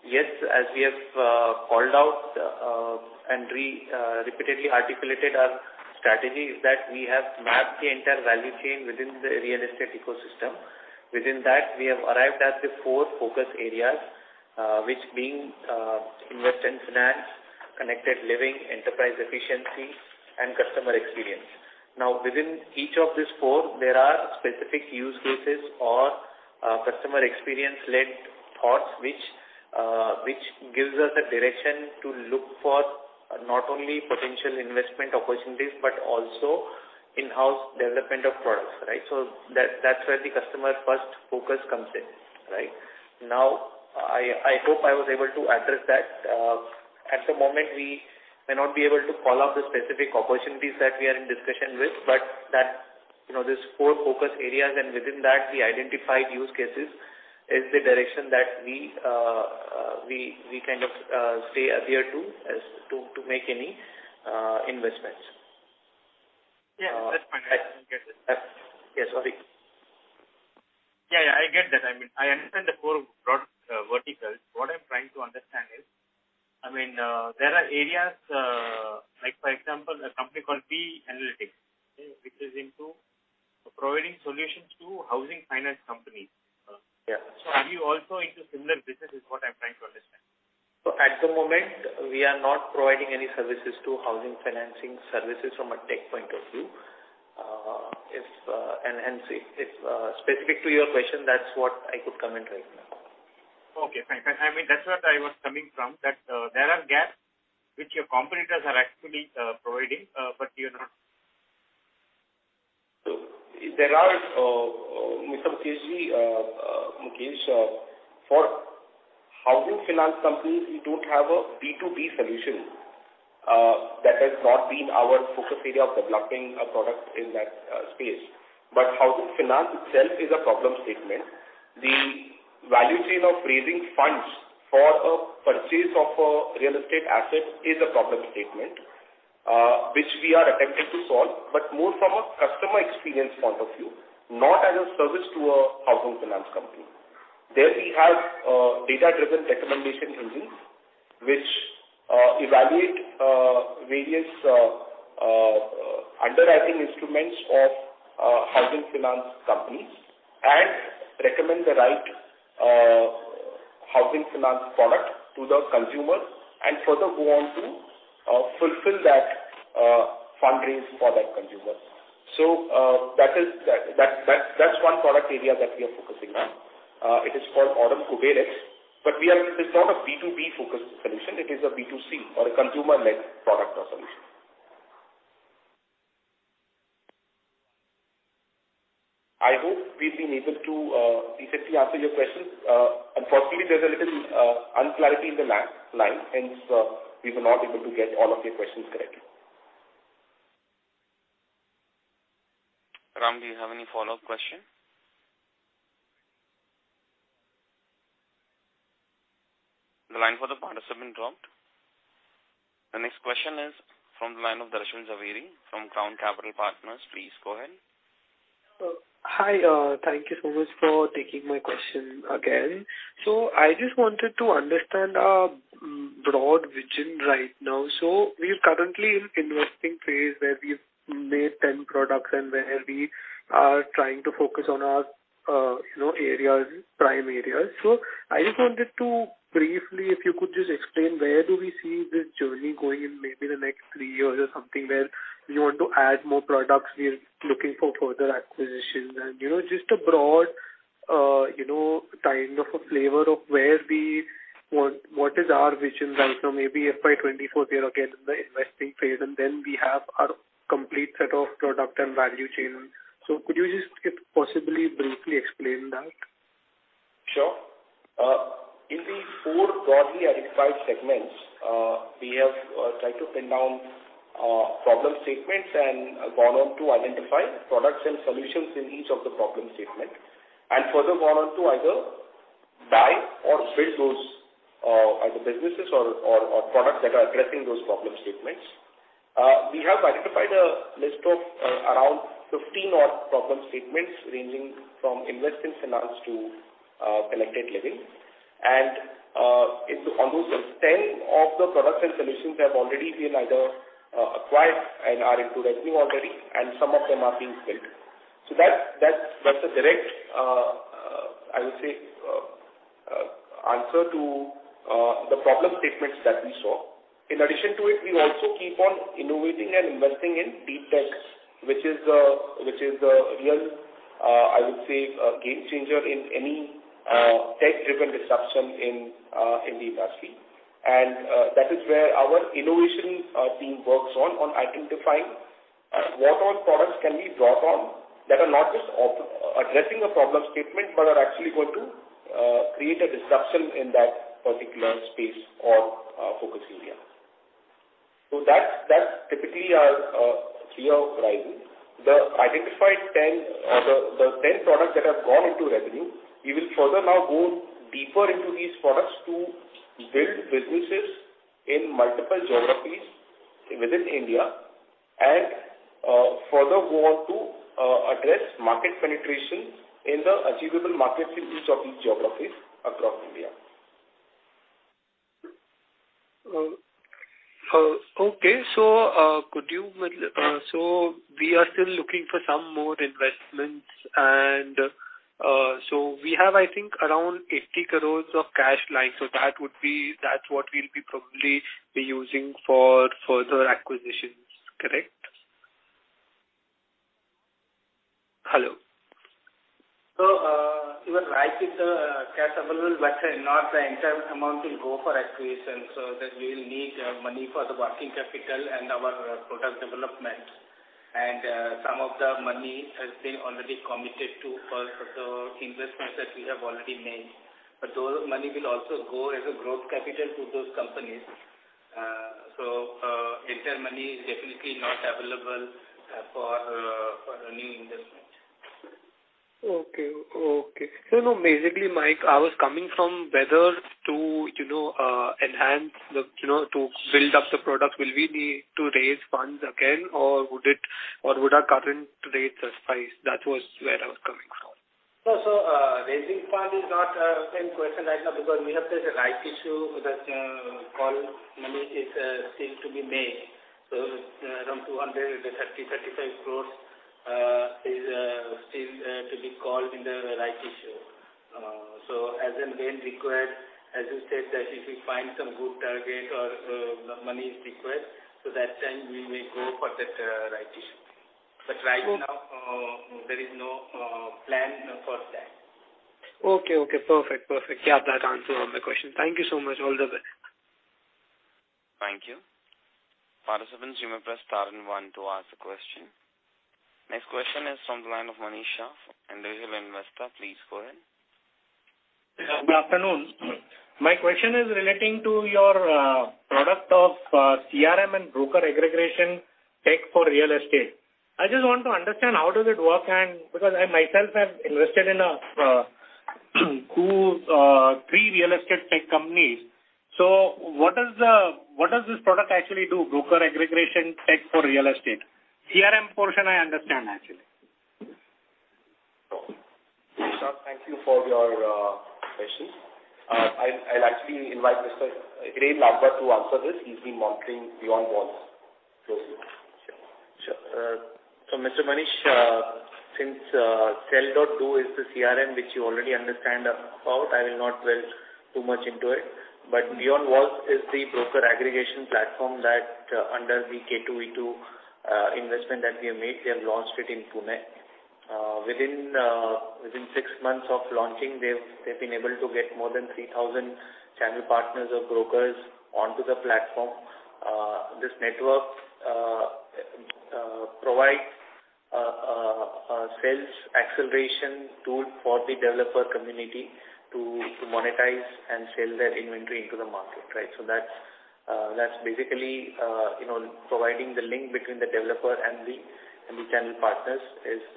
[SPEAKER 4] Yes, as we have called out and repeatedly articulated our strategy is that we have mapped the entire value chain within the real estate ecosystem. Within that, we have arrived at the four focus areas, which being investment finance, connected living, enterprise efficiency, and customer experience. Now, within each of these four, there are specific use cases or customer experience-led thoughts which gives us a direction to look for not only potential investment opportunities but also in-house development of products, right? That's where the customer first focus comes in, right? Now, I hope I was able to address that. At the moment, we may not be able to call out the specific opportunities that we are in discussion with, but that, you know, these four focus areas and within that the identified use cases is the direction that we kind of stay adhere to as to make any investments.
[SPEAKER 9] Yeah.
[SPEAKER 4] Uh.
[SPEAKER 9] That's fine. I get it.
[SPEAKER 4] Yeah. Sorry.
[SPEAKER 9] Yeah, yeah. I get that. I mean, I understand the four broad verticals. What I'm trying to understand is, I mean, there are areas, like for example, a company called P.E. Analytics, okay, which is into providing solutions to housing finance companies.
[SPEAKER 4] Yeah.
[SPEAKER 9] Are you also into similar business is what I'm trying to understand?
[SPEAKER 4] At the moment, we are not providing any services to housing financing services from a tech point of view. If specific to your question, that's what I could comment right now.
[SPEAKER 9] Okay. Thank you. I mean, that's where I was coming from, that there are gaps which your competitors are actually providing, but you're not.
[SPEAKER 4] Mr. Mukesh Kothari, for housing finance companies, we don't have a B2B solution. That has not been our focus area of developing a product in that space. Housing finance itself is a problem statement. The value chain of raising funds for a purchase of a real estate asset is a problem statement, which we are attempting to solve, but more from a customer experience point of view, not as a service to a housing finance company. There we have data-driven recommendation engines which evaluate various underwriting instruments of housing finance companies and recommend the right housing finance product to the consumer and further go on to fulfill that fundraise for that consumer. That's one product area that we are focusing on. It is called Aurum KuberX. It is not a B2B-focused solution. It is a B2C or a consumer-led product or solution. I hope we've been able to effectively answer your questions. Unfortunately, there's a little unclarity in the line, hence we were not able to get all of your questions correctly.
[SPEAKER 1] Ram, do you have any follow-up question? The line for the participant dropped. The next question is from the line of Darshan Jhaveri from Crown Capital Partners. Please go ahead.
[SPEAKER 6] Hi. Thank you so much for taking my question again. I just wanted to understand our broad vision right now. We are currently in investing phase where we've made 10 products and where we are trying to focus on our you know areas, prime areas. I just wanted to briefly, if you could just explain where do we see this journey going in maybe the next three years or something where we want to add more products, we're looking for further acquisitions and, you know, just a broad you know kind of a flavor of where we want. What is our vision right now? Maybe if by 2024, we are again in the investing phase, and then we have our complete set of product and value chain. Could you just possibly briefly explain that?
[SPEAKER 3] Sure. In the four broadly identified segments, we have tried to pin down problem statements and gone on to identify products and solutions in each of the problem statement and further gone on to either buy or build those either businesses or products that are addressing those problem statements. We have identified a list of around 15 odd problem statements ranging from investment finance to connected living. On those 10 of the products and solutions have already been either acquired and are into revenue already, and some of them are being built. That's the direct, I would say, answer to the problem statements that we saw. In addition to it, we also keep on innovating and investing in deep tech, which is the real, I would say, game changer in any tech-driven disruption in the industry. That is where our innovation team works on identifying what all products can be brought on that are not just of addressing a problem statement, but are actually going to create a disruption in that particular space or focus area. That's typically our year horizon. The identified 10, the 10 products that have gone into revenue, we will further now go deeper into these products to build businesses in multiple geographies within India and further go on to address market penetration in the achievable markets in each of these geographies across India.
[SPEAKER 6] Okay. We are still looking for some more investments and, so we have, I think, around 80 crore of cash lying. That would be. That's what we'll probably be using for further acquisitions. Correct? Hello?
[SPEAKER 3] You are right with the cash available, but not the entire amount will go for acquisition. That we'll need money for the working capital and our product development. Some of the money has been already committed to all of the investments that we have already made. Those money will also go as a growth capital to those companies. Entire money is definitely not available for a new investment.
[SPEAKER 6] Okay. Now, basically, Onkar, I was coming from whether to, you know, enhance the, you know, to build up the product, will we need to raise funds again or would it, or would our current rates suffice? That was where I was coming from.
[SPEAKER 3] Raising fund is not in question right now because there's a rights issue that call money is still to be made. Around 235 crore is still to be called in the rights issue. As and when required, as you said that if we find some good target or the money is required, that time we will go for that rights issue. Right now, there is no plan for that.
[SPEAKER 6] Okay. Perfect. Got that answer on the question. Thank you so much. All the best.
[SPEAKER 1] Thank you. Participants, you may press star and one to ask the question. Next question is from the line of Manish, an individual investor. Please go ahead.
[SPEAKER 10] Good afternoon. My question is relating to your product of CRM and broker aggregation tech for real estate. I just want to understand how does it work and because I myself have invested in a two to three real estate tech companies. What does this product actually do, broker aggregation tech for real estate? CRM portion I understand actually.
[SPEAKER 3] Manish, thank you for your questions. I'll actually invite Mr. Hiren Ladva to answer this. He's been monitoring Beyond Walls closely.
[SPEAKER 4] Sure. Mr. Manish, since Sell.Do is the CRM, which you already understand about, I will not delve too much into it. Beyond Walls is the broker aggregation platform that, under the K2V2 investment that we have made, we have launched it in Pune. Within six months of launching, they've been able to get more than 3,000 channel partners or brokers onto the platform. This network provides a sales acceleration tool for the developer community to monetize and sell their inventory into the market, right? That's basically, you know, providing the link between the developer and the channel partners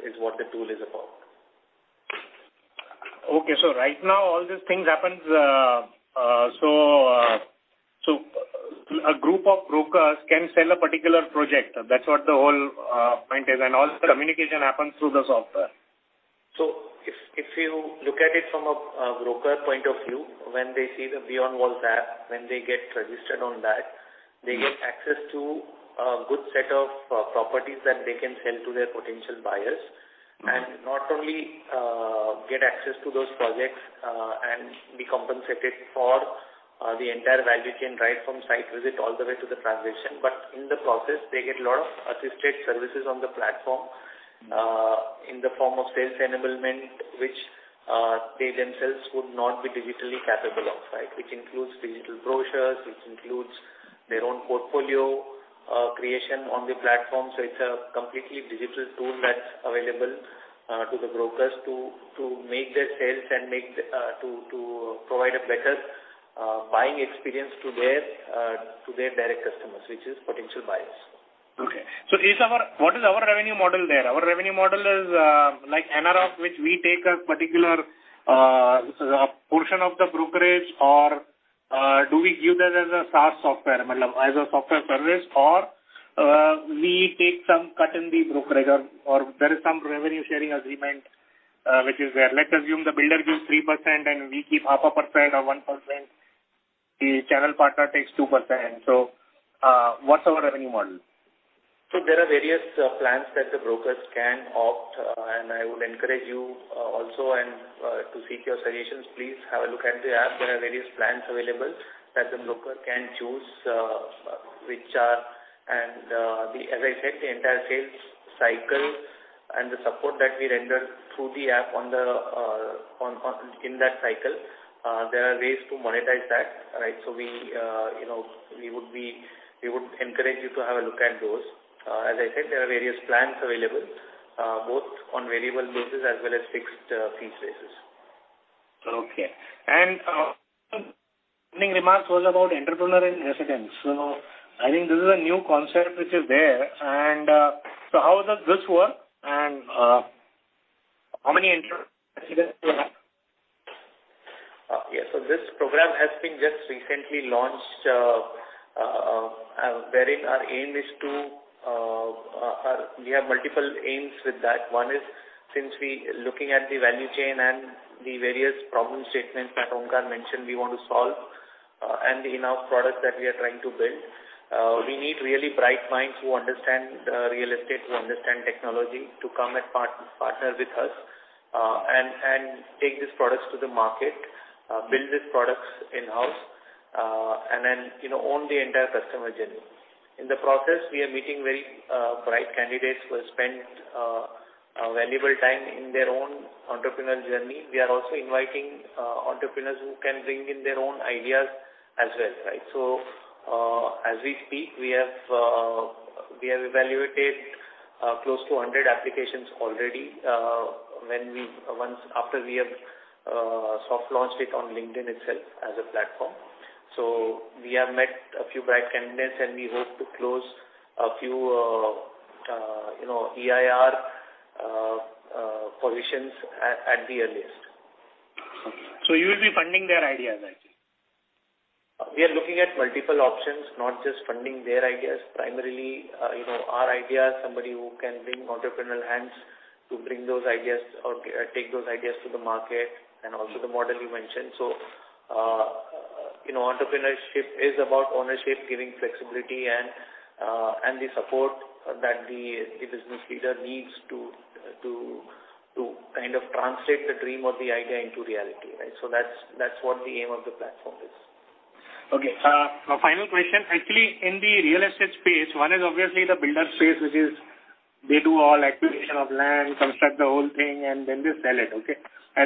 [SPEAKER 4] is what the tool is about.
[SPEAKER 10] Okay. Right now all these things happens, a group of brokers can sell a particular project. That's what the whole point is. All the communication happens through the software.
[SPEAKER 4] If you look at it from a broker point of view, when they see the Beyond Walls app, when they get registered on that.
[SPEAKER 10] Mm-hmm.
[SPEAKER 4] They get access to a good set of properties that they can sell to their potential buyers.
[SPEAKER 10] Mm-hmm.
[SPEAKER 4] Not only get access to those projects and be compensated for the entire value chain right from site visit all the way to the transaction. In the process they get a lot of assisted services on the platform in the form of sales enablement which they themselves would not be digitally capable of right. Which includes digital brochures their own portfolio creation on the platform. It's a completely digital tool that's available to the brokers to make their sales and to provide a better buying experience to their direct customers which is potential buyers.
[SPEAKER 10] What is our revenue model there? Our revenue model is, like ARR of which we take a particular portion of the brokerage or do we give that as a SaaS software model, as a software service or we take some cut in the brokerage or there is some revenue sharing agreement, which is there. Let's assume the builder gives 3% and we keep half a percent or 1%, the channel partner takes 2%. What's our revenue model?
[SPEAKER 4] There are various plans that the brokers can opt, and I would encourage you also to seek your solutions. Please have a look at the app. There are various plans available that the broker can choose, which are as I said, the entire sales cycle and the support that we render through the app in that cycle, there are ways to monetize that, right? We, you know, we would encourage you to have a look at those. As I said, there are various plans available, both on variable basis as well as fixed fee basis.
[SPEAKER 10] Okay. Opening remarks was about Entrepreneur-in-Residence. You know, I think this is a new concept which is there. How does this work? How many Entrepreneur-in-Residence do you have?
[SPEAKER 4] Yes. This program has been just recently launched, wherein our aim is to, we have multiple aims with that. One is since we looking at the value chain and the various problem statements that Onkar mentioned we want to solve, and in our products that we are trying to build, we need really bright minds who understand real estate, who understand technology to come and partner with us, and take these products to the market, build these products in-house, and then, you know, own the entire customer journey. In the process, we are meeting very bright candidates who have spent a valuable time in their own entrepreneurial journey. We are also inviting entrepreneurs who can bring in their own ideas as well, right? As we speak, we have evaluated close to 100 applications already, once after we have soft launched it on LinkedIn itself as a platform. We have met a few bright candidates, and we hope to close a few, you know, EIR positions at the earliest.
[SPEAKER 10] You will be funding their ideas, I think.
[SPEAKER 4] We are looking at multiple options, not just funding their ideas. Primarily, you know, our ideas, somebody who can bring entrepreneurial hands to bring those ideas or take those ideas to the market and also the model you mentioned. You know, entrepreneurship is about ownership, giving flexibility and the support that the business leader needs to kind of translate the dream of the idea into reality, right? That's what the aim of the platform is.
[SPEAKER 10] Okay. My final question. Actually, in the real estate space, one is obviously the builder space, which is they do all acquisition of land, construct the whole thing, and then they sell it. Okay?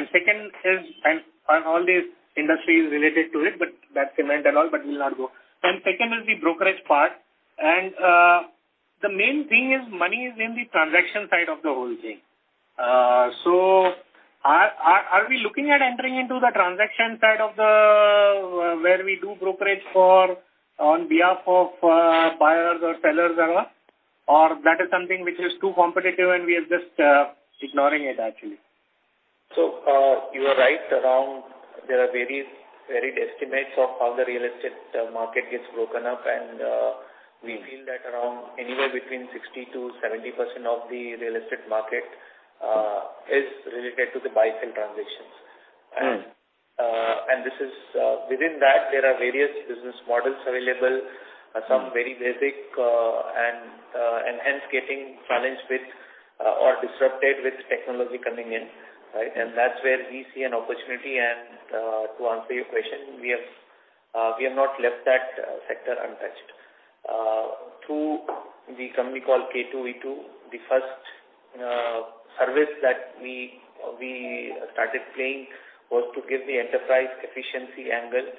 [SPEAKER 10] Second is the brokerage part. All these industries related to it, but that cement and all, but we'll not go. The main thing is money is in the transaction side of the whole thing. So are we looking at entering into the transaction side of the, where we do brokerage for on behalf of buyers or sellers and all? Or that is something which is too competitive and we are just ignoring it actually.
[SPEAKER 4] You are right around there are various varied estimates of how the real estate market gets broken up. We feel that around anywhere between 60%-70% of the real estate market is related to the buy-sell transactions.
[SPEAKER 10] Mm.
[SPEAKER 4] This is within that there are various business models available.
[SPEAKER 10] Mm.
[SPEAKER 4] Some very basic and hence getting challenged or disrupted with technology coming in, right? That's where we see an opportunity. To answer your question, we have not left that sector untouched. Through the company called K2V2, the first service that we started playing was to give the enterprise efficiency angle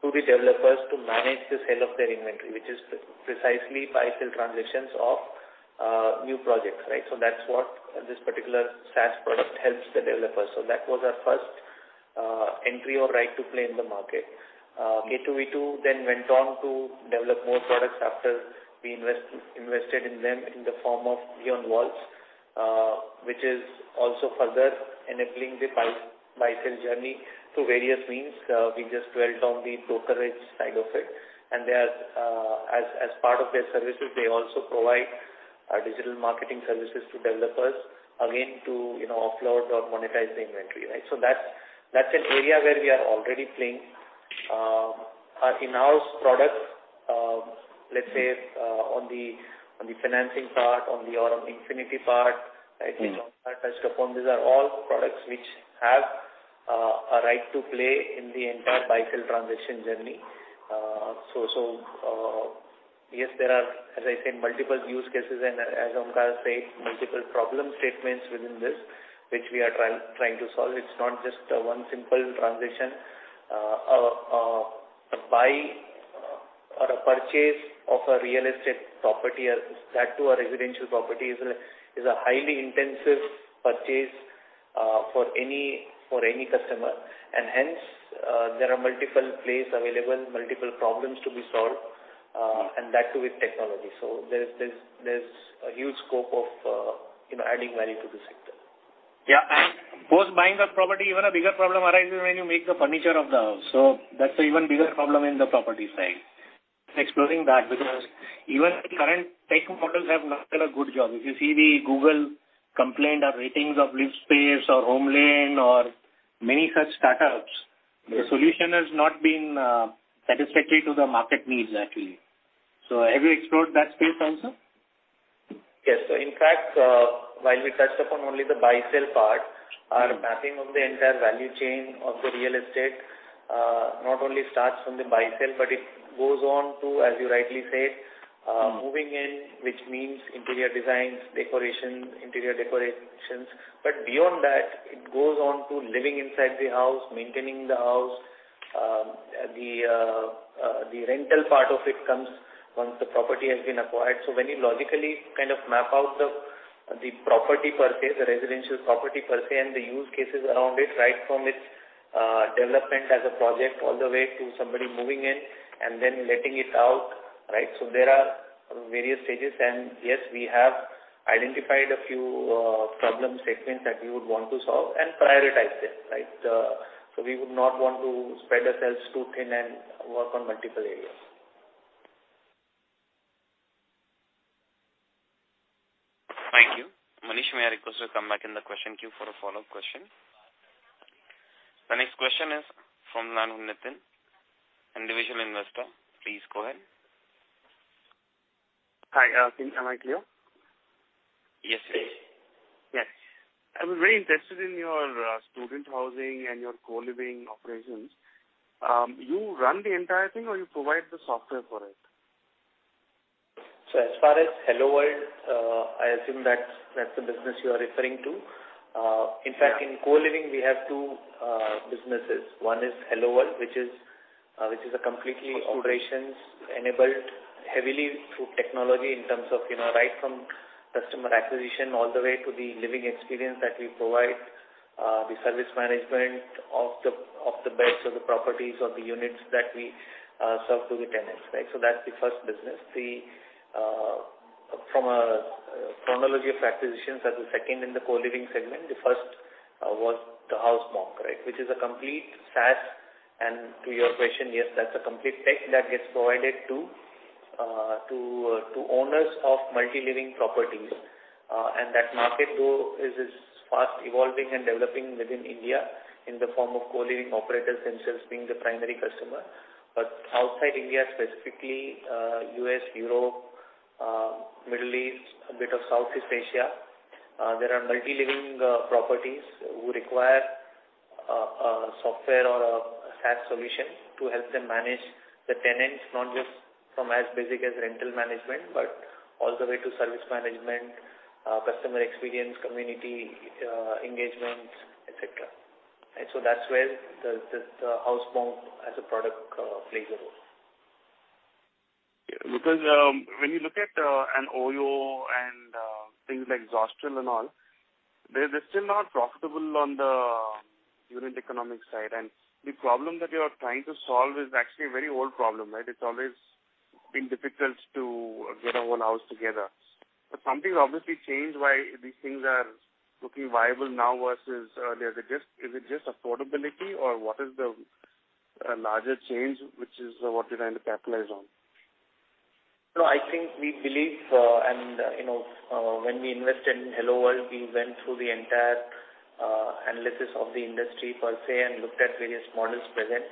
[SPEAKER 4] to the developers to manage the sale of their inventory, which is precisely buy-sell transactions of new projects, right? That's what this particular SaaS product helps the developers. That was our first entry or right to play in the market. K2V2 then went on to develop more products after we invested in them in the form of Beyond Walls, which is also further enabling the buy-sell journey through various means. We just dwelt on the brokerage side of it. They are as part of their services, they also provide digital marketing services to developers, again, to you know, offload or monetize the inventory, right? That's an area where we are already playing our in-house products, let's say, on the financing part, on the Aurum Infinity part, right?
[SPEAKER 10] Mm-hmm.
[SPEAKER 4] Which Onkar touched upon. These are all products which have a right to play in the entire buy-sell transaction journey. Yes, there are, as I said, multiple use cases and as Onkar said, multiple problem statements within this, which we are trying to solve. It's not just one simple transition. Buy or a purchase of a real estate property as that to a residential property is a highly intensive purchase for any customer. Hence, there are multiple plays available, multiple problems to be solved, and that too with technology. There's a huge scope of you know adding value to this sector.
[SPEAKER 10] Yeah. Post buying that property, even a bigger problem arises when you make the furniture of the house. That's an even bigger problem in the property side. Exploring that because even the current tech models have not done a good job. If you see the Google complaint or ratings of Livspace or HomeLane or many such startups, the solution has not been satisfactory to the market needs actually. Have you explored that space also?
[SPEAKER 4] Yes. In fact, while we touched upon only the buy-sell part, our mapping of the entire value chain of the real estate not only starts from the buy-sell, but it goes on to, as you rightly said, moving in, which means interior designs, decorations, interior decorations. But beyond that, it goes on to living inside the house, maintaining the house, the rental part of it comes once the property has been acquired. When you logically kind of map out the property per se, the residential property per se, and the use cases around it, right from its development as a project all the way to somebody moving in and then letting it out, right? There are various stages and yes, we have identified a few problem statements that we would want to solve and prioritize them, right? We would not want to spread ourselves too thin and work on multiple areas.
[SPEAKER 1] Thank you. Manish, may I request you to come back in the question queue for a follow-up question. The next question is from Nitin, an individual investor. Please go ahead.
[SPEAKER 11] Hi. Am I clear?
[SPEAKER 1] Yes, please.
[SPEAKER 11] Yes. I'm very interested in your student housing and your co-living operations. You run the entire thing or you provide the software for it?
[SPEAKER 4] As far as HelloWorld, I assume that's the business you are referring to.
[SPEAKER 11] Yeah.
[SPEAKER 4] In fact, in co-living we have two businesses. One is HelloWorld, which is a completely operations enabled heavily through technology in terms of, you know, right from customer acquisition all the way to the living experience that we provide, the service management of the beds or the properties or the units that we serve to the tenants, right? That's the first business. From a chronology of acquisitions, as a second in the co-living segment, the first was TheHouseMonk, right? Which is a complete SaaS. To your question, yes, that's a complete tech that gets provided to owners of multi-living properties. That market though is fast evolving and developing within India in the form of co-living operators themselves being the primary customer. Outside India, specifically, U.S., Europe, Middle East, a bit of Southeast Asia, there are multi-living properties who require software or a SaaS solution to help them manage the tenants, not just from as basic as rental management, but all the way to service management, customer experience, community engagement, et cetera. That's where TheHouseMonk as a product plays a role.
[SPEAKER 11] Yeah. Because when you look at an Oyo and things like Zostel and all, they're still not profitable on the unit economics side. The problem that you are trying to solve is actually a very old problem, right? It's always been difficult to get our own house together. Something obviously changed. Why these things are looking viable now versus. Is there just affordability or what is the larger change, which is what you're trying to capitalize on?
[SPEAKER 4] No, I think we believe, and, you know, when we invest in HelloWorld, we went through the entire analysis of the industry per se and looked at various models present.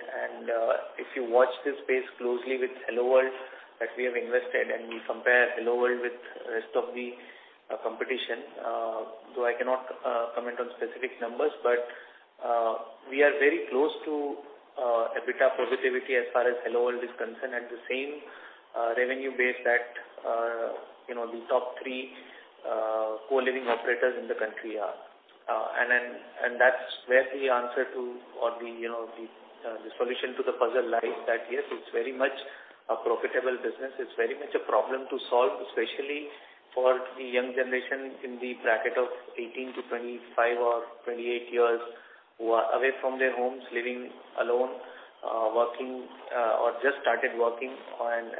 [SPEAKER 4] If you watch this space closely with HelloWorld that we have invested and we compare HelloWorld with the rest of the competition, though I cannot comment on specific numbers, but we are very close to EBITDA profitability as far as HelloWorld is concerned, and the same revenue base that you know the top three co-living operators in the country are. That's where the answer to or the, you know, the solution to the puzzle lies that, yes, it's very much a profitable business. It's very much a problem to solve, especially for the young generation in the bracket of 18-25 or 28 years, who are away from their homes, living alone, working, or just started working.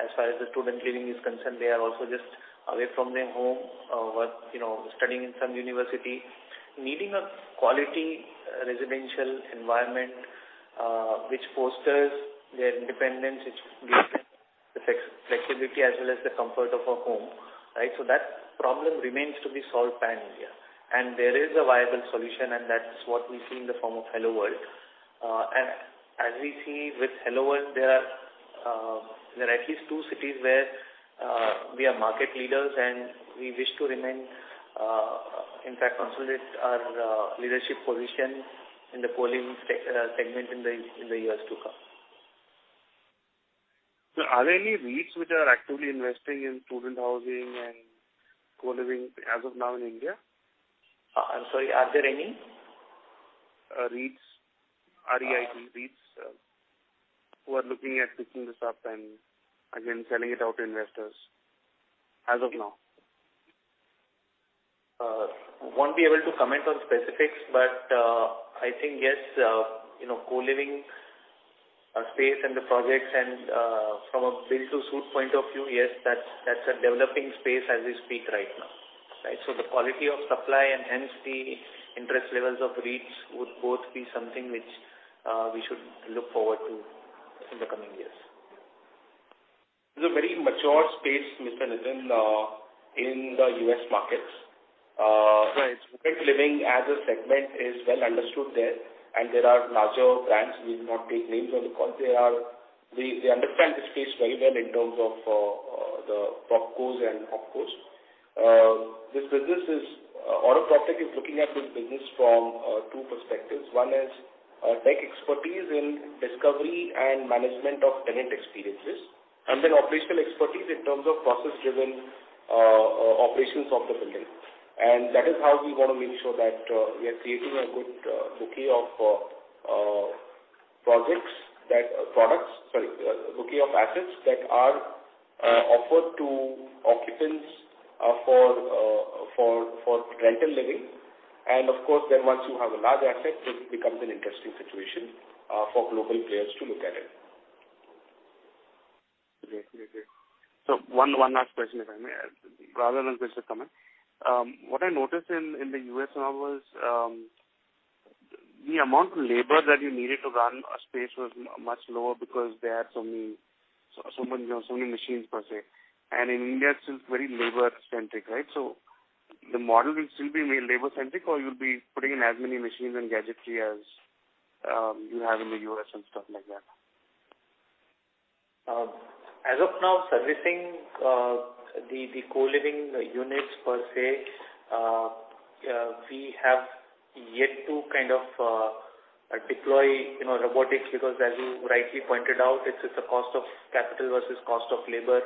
[SPEAKER 4] As far as the student living is concerned, they are also just away from their home or, you know, studying in some university, needing a quality residential environment, which fosters their independence, which gives them the flexibility as well as the comfort of a home, right? That problem remains to be solved pan-India. There is a viable solution, and that's what we see in the form of HelloWorld. As we see with HelloWorld, there are at least two cities where we are market leaders and we wish to remain, in fact, consolidate our leadership position in the co-living segment in the years to come.
[SPEAKER 11] Are there any REITs which are actively investing in student housing and co-living as of now in India?
[SPEAKER 4] I'm sorry, are there any?
[SPEAKER 11] REITs, R-E-I-T, who are looking at picking this up and again, selling it out to investors as of now.
[SPEAKER 4] I won't be able to comment on specifics, but I think yes, you know, co-living.
[SPEAKER 11] Our space and the projects and, from a build to suit point of view, yes, that's a developing space as we speak right now, right? The quality of supply and hence the interest levels of REITs would both be something which, we should look forward to in the coming years.
[SPEAKER 4] It's a very mature space, Mr. Nitin, in the U.S. markets.
[SPEAKER 11] Right.
[SPEAKER 4] RentLiving as a segment is well understood there, and there are larger brands. We will not take names on the call. They understand this space very well in terms of the PropCos and OpCos. Aurum PropTech is looking at this business from two perspectives. One is tech expertise in discovery and management of tenant experiences, and then operational expertise in terms of process-driven operations of the building. That is how we wanna make sure that we are creating a good bouquet of products. Sorry. A bouquet of assets that are offered to occupants for rental living. Of course, then once you have a large asset, it becomes an interesting situation for global players to look at it.
[SPEAKER 11] Great. One last question, if I may, rather than just a comment. What I noticed in the U.S. now was the amount of labor that you needed to run a space was much lower because they had so many machines per se. In India it's still very labor-centric, right? The model will still be very labor-centric, or you'll be putting in as many machines and gadgetry as you have in the U.S. and stuff like that?
[SPEAKER 4] As of now, servicing the co-living units per se, we have yet to kind of deploy, you know, robotics because as you rightly pointed out, it's a cost of capital versus cost of labor.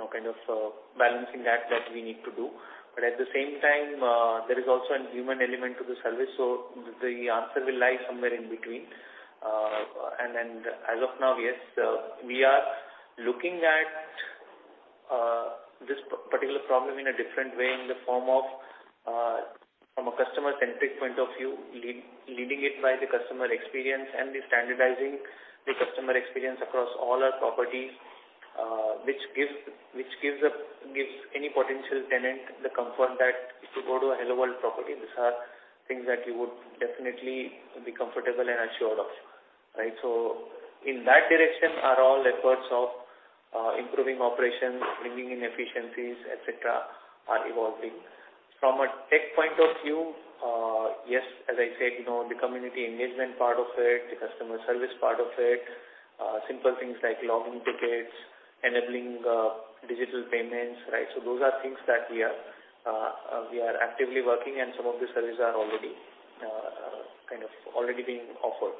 [SPEAKER 4] You know, kind of a balancing act that we need to do. But at the same time, there is also a human element to the service. The answer will lie somewhere in between. As of now, yes, we are looking at this particular problem in a different way, in the form of from a customer-centric point of view, leading it by the customer experience and standardizing the customer experience across all our properties, which gives any potential tenant the comfort that if you go to a HelloWorld property, these are things that you would definitely be comfortable and assured of, right? In that direction are all efforts of improving operations, bringing in efficiencies, et cetera, are evolving. From a tech point of view, yes, as I said, you know, the community engagement part of it, the customer service part of it, simple things like logging tickets, enabling digital payments, right? Those are things that we are actively working and some of the services are already, kind of already being offered.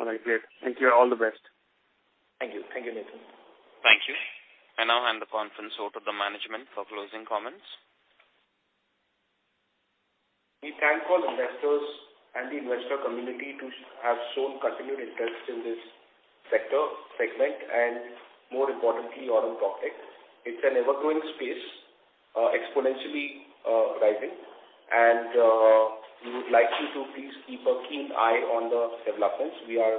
[SPEAKER 11] All right, great. Thank you. All the best. Thank you.
[SPEAKER 4] Thank you, Nitin.
[SPEAKER 1] Thank you. I now hand the conference over to the management for closing comments.
[SPEAKER 4] We thank all investors and the investor community have shown continued interest in this sector segment and more importantly, Aurum PropTech. It's an ever-growing space, exponentially rising. We would like you to please keep a keen eye on the developments. We are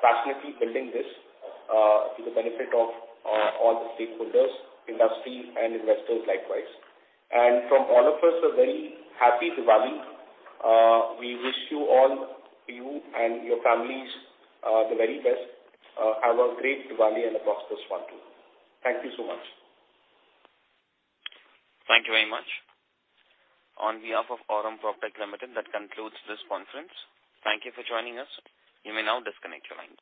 [SPEAKER 4] passionately building this to the benefit of all the stakeholders, industry and investors likewise. From all of us, a very happy Diwali. We wish you all, you and your families, the very best. Have a great Diwali and a prosperous one too. Thank you so much.
[SPEAKER 1] Thank you very much. On behalf of Aurum PropTech Limited, that concludes this conference. Thank you for joining us. You may now disconnect your line.